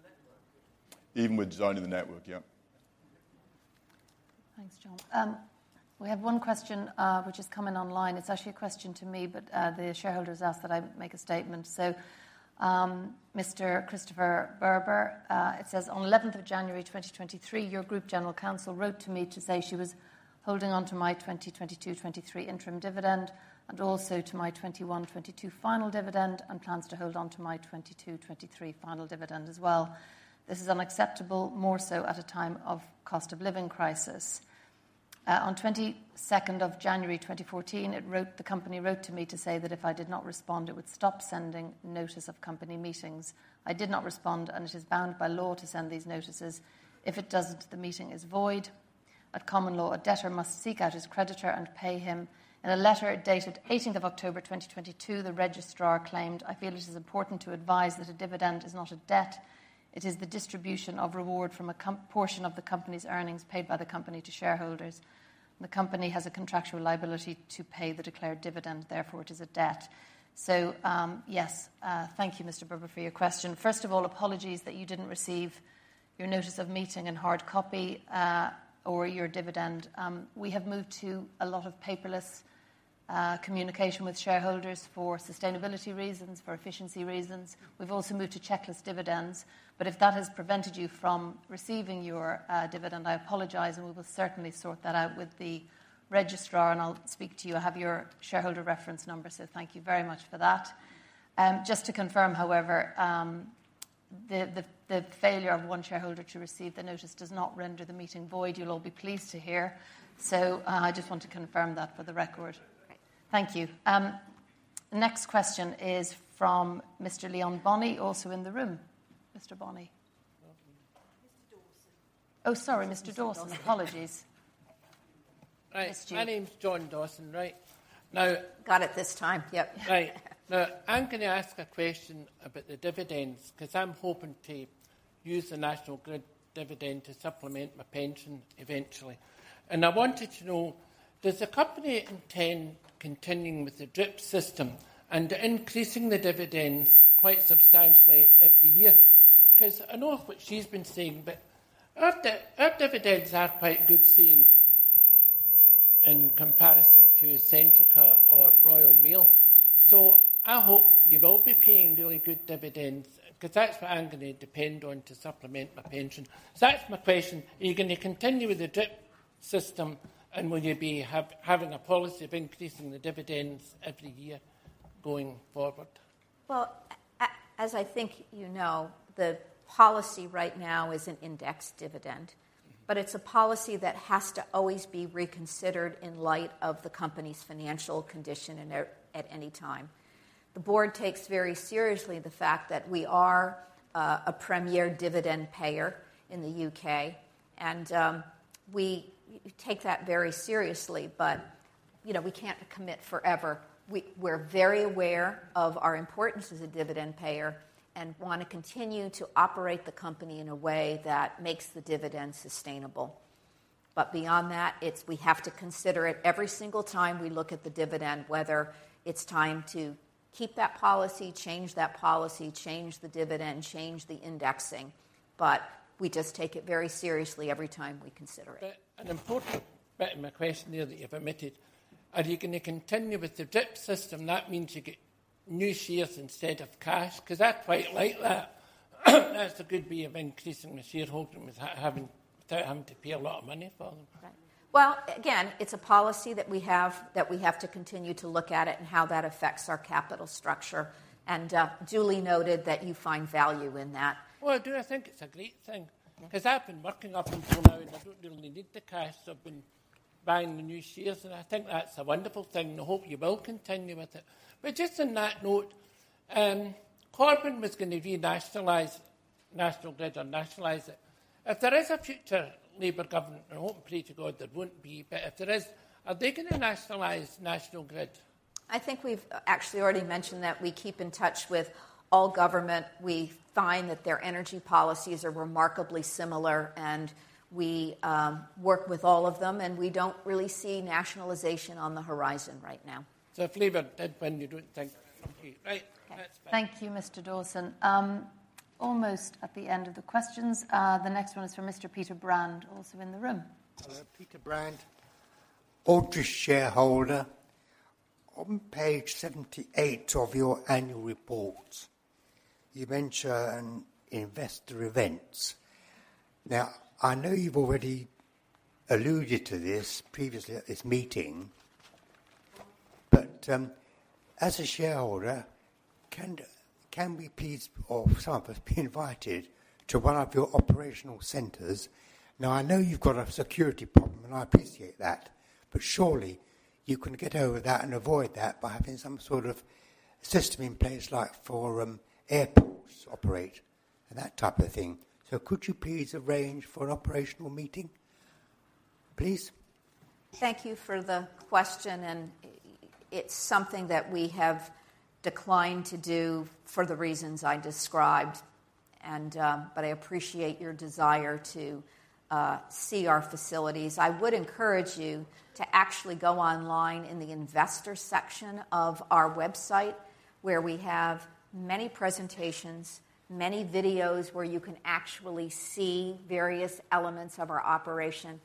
network? Even with designing the network, yeah. Thanks, John. We have one question, which has come in online. It's actually a question to me, but the shareholder has asked that I make a statement. Mr. Christopher Berber, it says: "On 11th of January 2023, your Group General Counsel wrote to me to say she was holding on to my 2022/23 interim dividend and also to my 2021/2022 final dividend and plans to hold on to my 2022/2023 final dividend as well. This is unacceptable, more so at a time of cost of living crisis. On 22nd of January 2014, the company wrote to me to say that if I did not respond, it would stop sending notice of company meetings. I did not respond, and it is bound by law to send these notices. If it doesn't, the meeting is void.... at common law, a debtor must seek out his creditor and pay him. In a letter dated 18th of October 2022, the registrar claimed, "I feel it is important to advise that a dividend is not a debt. It is the distribution of reward from a portion of the company's earnings paid by the company to shareholders. The company has a contractual liability to pay the declared dividend, therefore, it is a debt." Yes, thank you, Mr. Berber, for your question. First of all, apologies that you didn't receive your notice of meeting in hard copy, or your dividend. We have moved to a lot of paperless communication with shareholders for sustainability reasons, for efficiency reasons. We've also moved to checklist dividends. If that has prevented you from receiving your dividend, I apologize, and we will certainly sort that out with the registrar, and I'll speak to you. I have your shareholder reference number. Thank you very much for that. Just to confirm, however, the failure of one shareholder to receive the notice does not render the meeting void, you'll all be pleased to hear. I just want to confirm that for the record. Thank you. Next question is from Mr. Leon Bonney, also in the room. Mr. Bonney. Mr. Dawson. Oh, sorry, Mr. Dawson. Apologies. Right. Mr- My name's John Dawson, right? Got it this time, yep. Now, I'm gonna ask a question about the dividends, 'cause I'm hoping to use the National Grid dividend to supplement my pension eventually. I wanted to know, does the company intend continuing with the DRIP system and increasing the dividends quite substantially every year? 'Cause I know what she's been saying, but our dividends are quite good, seeing in comparison to Centrica or Royal Mail. I hope you will be paying really good dividends, 'cause that's what I'm gonna depend on to supplement my pension. That's my question: Are you gonna continue with the DRIP system, and will you be having a policy of increasing the dividends every year going forward? Well, as I think you know, the policy right now is an index dividend, but it's a policy that has to always be reconsidered in light of the company's financial condition and at any time. The board takes very seriously the fact that we are a premier dividend payer in the UK, and we take that very seriously, but, you know, we can't commit forever. We're very aware of our importance as a dividend payer and want to continue to operate the company in a way that makes the dividend sustainable. Beyond that, it's we have to consider it every single time we look at the dividend, whether it's time to keep that policy, change that policy, change the dividend, change the indexing, but we just take it very seriously every time we consider it. An important bit in my question there that you've omitted: Are you gonna continue with the DRIP system? That means you get new shares instead of cash, 'cause I quite like that. That's a good way of increasing my shareholding with having, without having to pay a lot of money for them. Well, again, it's a policy that we have, that we have to continue to look at it and how that affects our capital structure. duly noted that you find value in that. Well, I do. I think it's a great thing- Mm-hmm 'cause I've been working up until now, and I don't really need the cash, so I've been buying the new shares, and I think that's a wonderful thing. I hope you will continue with it. Just on that note, Corbyn was gonna renationalize National Grid or nationalize it. If there is a future Labour government, I hope and pray to God there won't be, but if there is, are they gonna nationalize National Grid? I think we've actually already mentioned that we keep in touch with all government. We find that their energy policies are remarkably similar, and we work with all of them, and we don't really see nationalization on the horizon right now. If Labour did win, you don't think... Thank you. Right, that's better. Thank you, Mr. Dawson. Almost at the end of the questions. The next one is from Mr. Peter Brand, also in the room. Hello, Peter Brand, oldest shareholder. On page 78 of your annual report, you mention investor events. Now, I know you've already alluded to this previously at this meeting, but, as a shareholder, can we please or for example, be invited to 1 of your operational centers? Now, I know you've got a security problem, and I appreciate that, but surely you can get over that and avoid that by having some sort of system in place, like for, airports operate and that type of thing. Could you please arrange for an operational meeting, please? Thank you for the question, and it's something that we have declined to do for the reasons I described, but I appreciate your desire to see our facilities. I would encourage you to actually go online in the investor section of our website, where we have many presentations, many videos, where you can actually see various elements of our operation,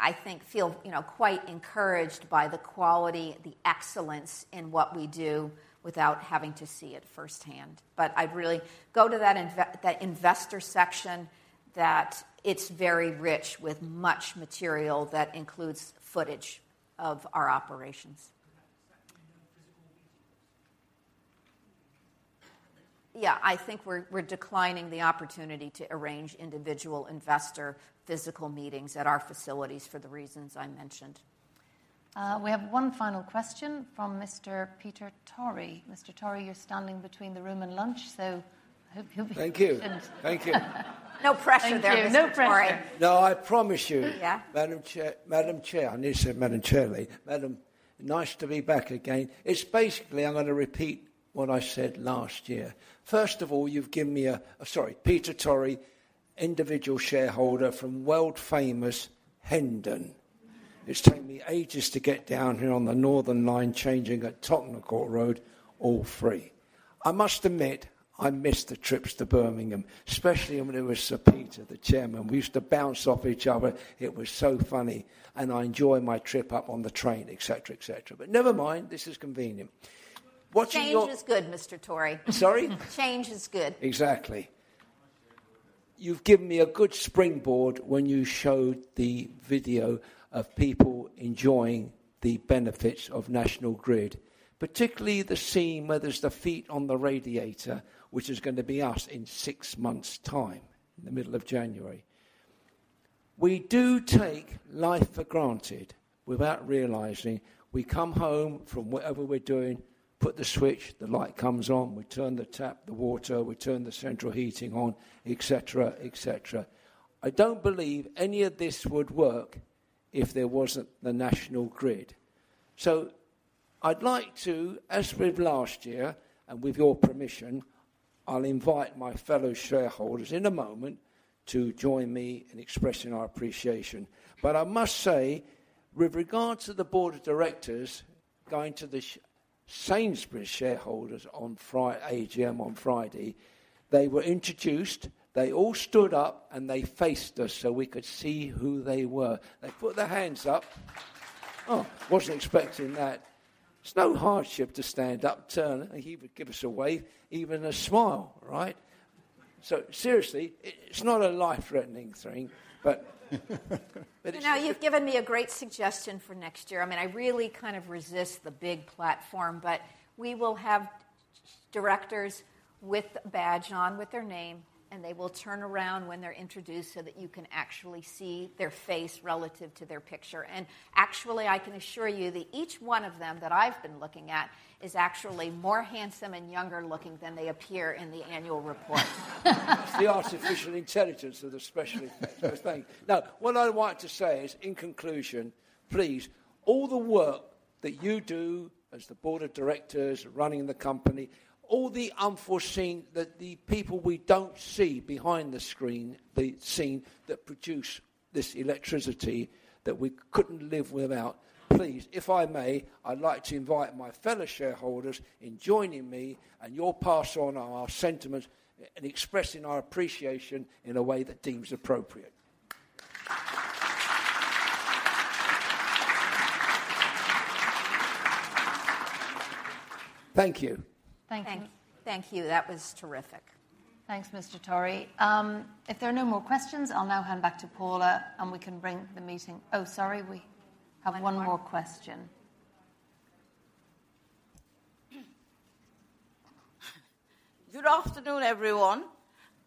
I think feel, you know, quite encouraged by the quality, the excellence in what we do without having to see it firsthand. I'd really go to that investor section, that it's very rich with much material that includes footage of our operations. Does that mean no physical meetings? I think we're declining the opportunity to arrange individual investor physical meetings at our facilities for the reasons I mentioned.... we have one final question from Mr. Peter Torry. Mr. Torry, you're standing between the room and lunch, so I hope you'll be patient. Thank you. Thank you. No pressure there, Mr. Torry. Thank you. No pressure. No, I promise. Yeah. Madam Chair, I knew you said Madam Chairlady. Madam, nice to be back again. It's basically, I'm gonna repeat what I said last year. First of all, you've given me Sorry. Peter Torry, individual shareholder from world-famous Hendon. It's taken me ages to get down here on the Northern Line, changing at Tottenham Court Road, all free. I must admit, I miss the trips to Birmingham, especially when it was Sir Peter, the chairman. We used to bounce off each other. It was so funny, I enjoy my trip up on the train, et cetera, et cetera. Never mind, this is convenient. What's your. Change is good, Mr. Torry. Sorry? Change is good. Exactly. You've given me a good springboard when you showed the video of people enjoying the benefits of National Grid, particularly the scene where there's the feet on the radiator, which is gonna be us in 6 months' time, in the middle of January. We do take life for granted without realizing. We come home from whatever we're doing, put the switch, the light comes on, we turn the tap, the water, we turn the central heating on, et cetera, et cetera. I don't believe any of this would work if there wasn't the National Grid. I'd like to, as with last year, and with your permission, I'll invite my fellow shareholders in a moment to join me in expressing our appreciation. I must say, with regards to the board of directors going to the Sainsbury's shareholders on AGM on Friday, they were introduced, they all stood up, and they faced us so we could see who they were. They put their hands up. Oh, wasn't expecting that. It's no hardship to stand up, turn, and he would give us a wave, even a smile, right? Seriously, it's not a life-threatening thing. No, you've given me a great suggestion for next year. I mean, I really kind of resist the big platform, but we will have directors with a badge on with their name, and they will turn around when they're introduced so that you can actually see their face relative to their picture. Actually, I can assure you that each one of them that I've been looking at is actually more handsome and younger-looking than they appear in the annual report. It's the artificial intelligence that especially. Thank you. What I want to say is, in conclusion, please, all the work that you do as the board of directors running the company, all the unforeseen, the people we don't see behind the screen, the scene, that produce this electricity that we couldn't live without, please, if I may, I'd like to invite my fellow shareholders in joining me, and you'll pass on our sentiments in expressing our appreciation in a way that deems appropriate. Thank you. Thank you. Thank you. That was terrific. Thanks, Mr. Torry. If there are no more questions, I'll now hand back to Paula, and we can bring the meeting... Oh, sorry, we have one more question. Good afternoon, everyone.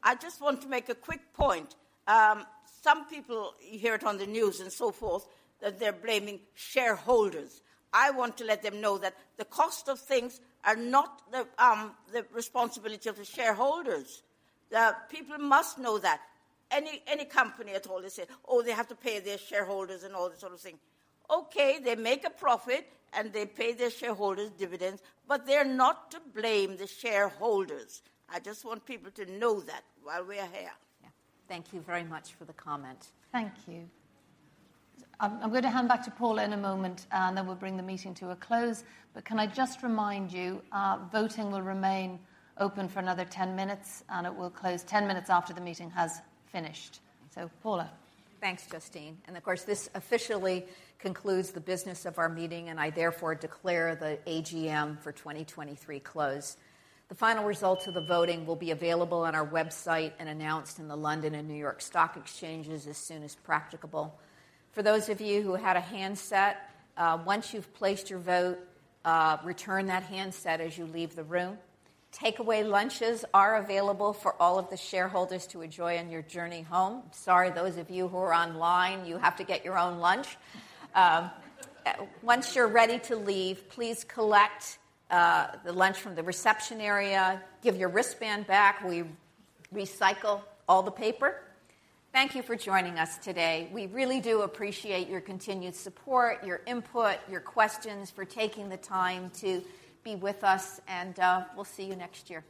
I just want to make a quick point. Some people, you hear it on the news and so forth, that they're blaming shareholders. I want to let them know that the cost of things are not the responsibility of the shareholders. The people must know that. Any company at all, they say, "Oh, they have to pay their shareholders," and all this sort of thing. Okay, they make a profit, and they pay their shareholders dividends, but they're not to blame the shareholders. I just want people to know that while we're here. Thank you very much for the comment. Thank you. I'm going to hand back to Paula in a moment, and then we'll bring the meeting to a close. Can I just remind you, voting will remain open for another 10 minutes, and it will close 10 minutes after the meeting has finished. Paula? Thanks, Justine. Of course, this officially concludes the business of our meeting, and I therefore declare the AGM for 2023 closed. The final results of the voting will be available on our website and announced in the London and New York Stock Exchanges as soon as practicable. For those of you who had a handset, once you've placed your vote, return that handset as you leave the room. Takeaway lunches are available for all of the shareholders to enjoy on your journey home. Those of you who are online, you have to get your own lunch. Once you're ready to leave, please collect the lunch from the reception area. Give your wristband back. We recycle all the paper. Thank you for joining us today. We really do appreciate your continued support, your input, your questions, for taking the time to be with us, and we'll see you next year.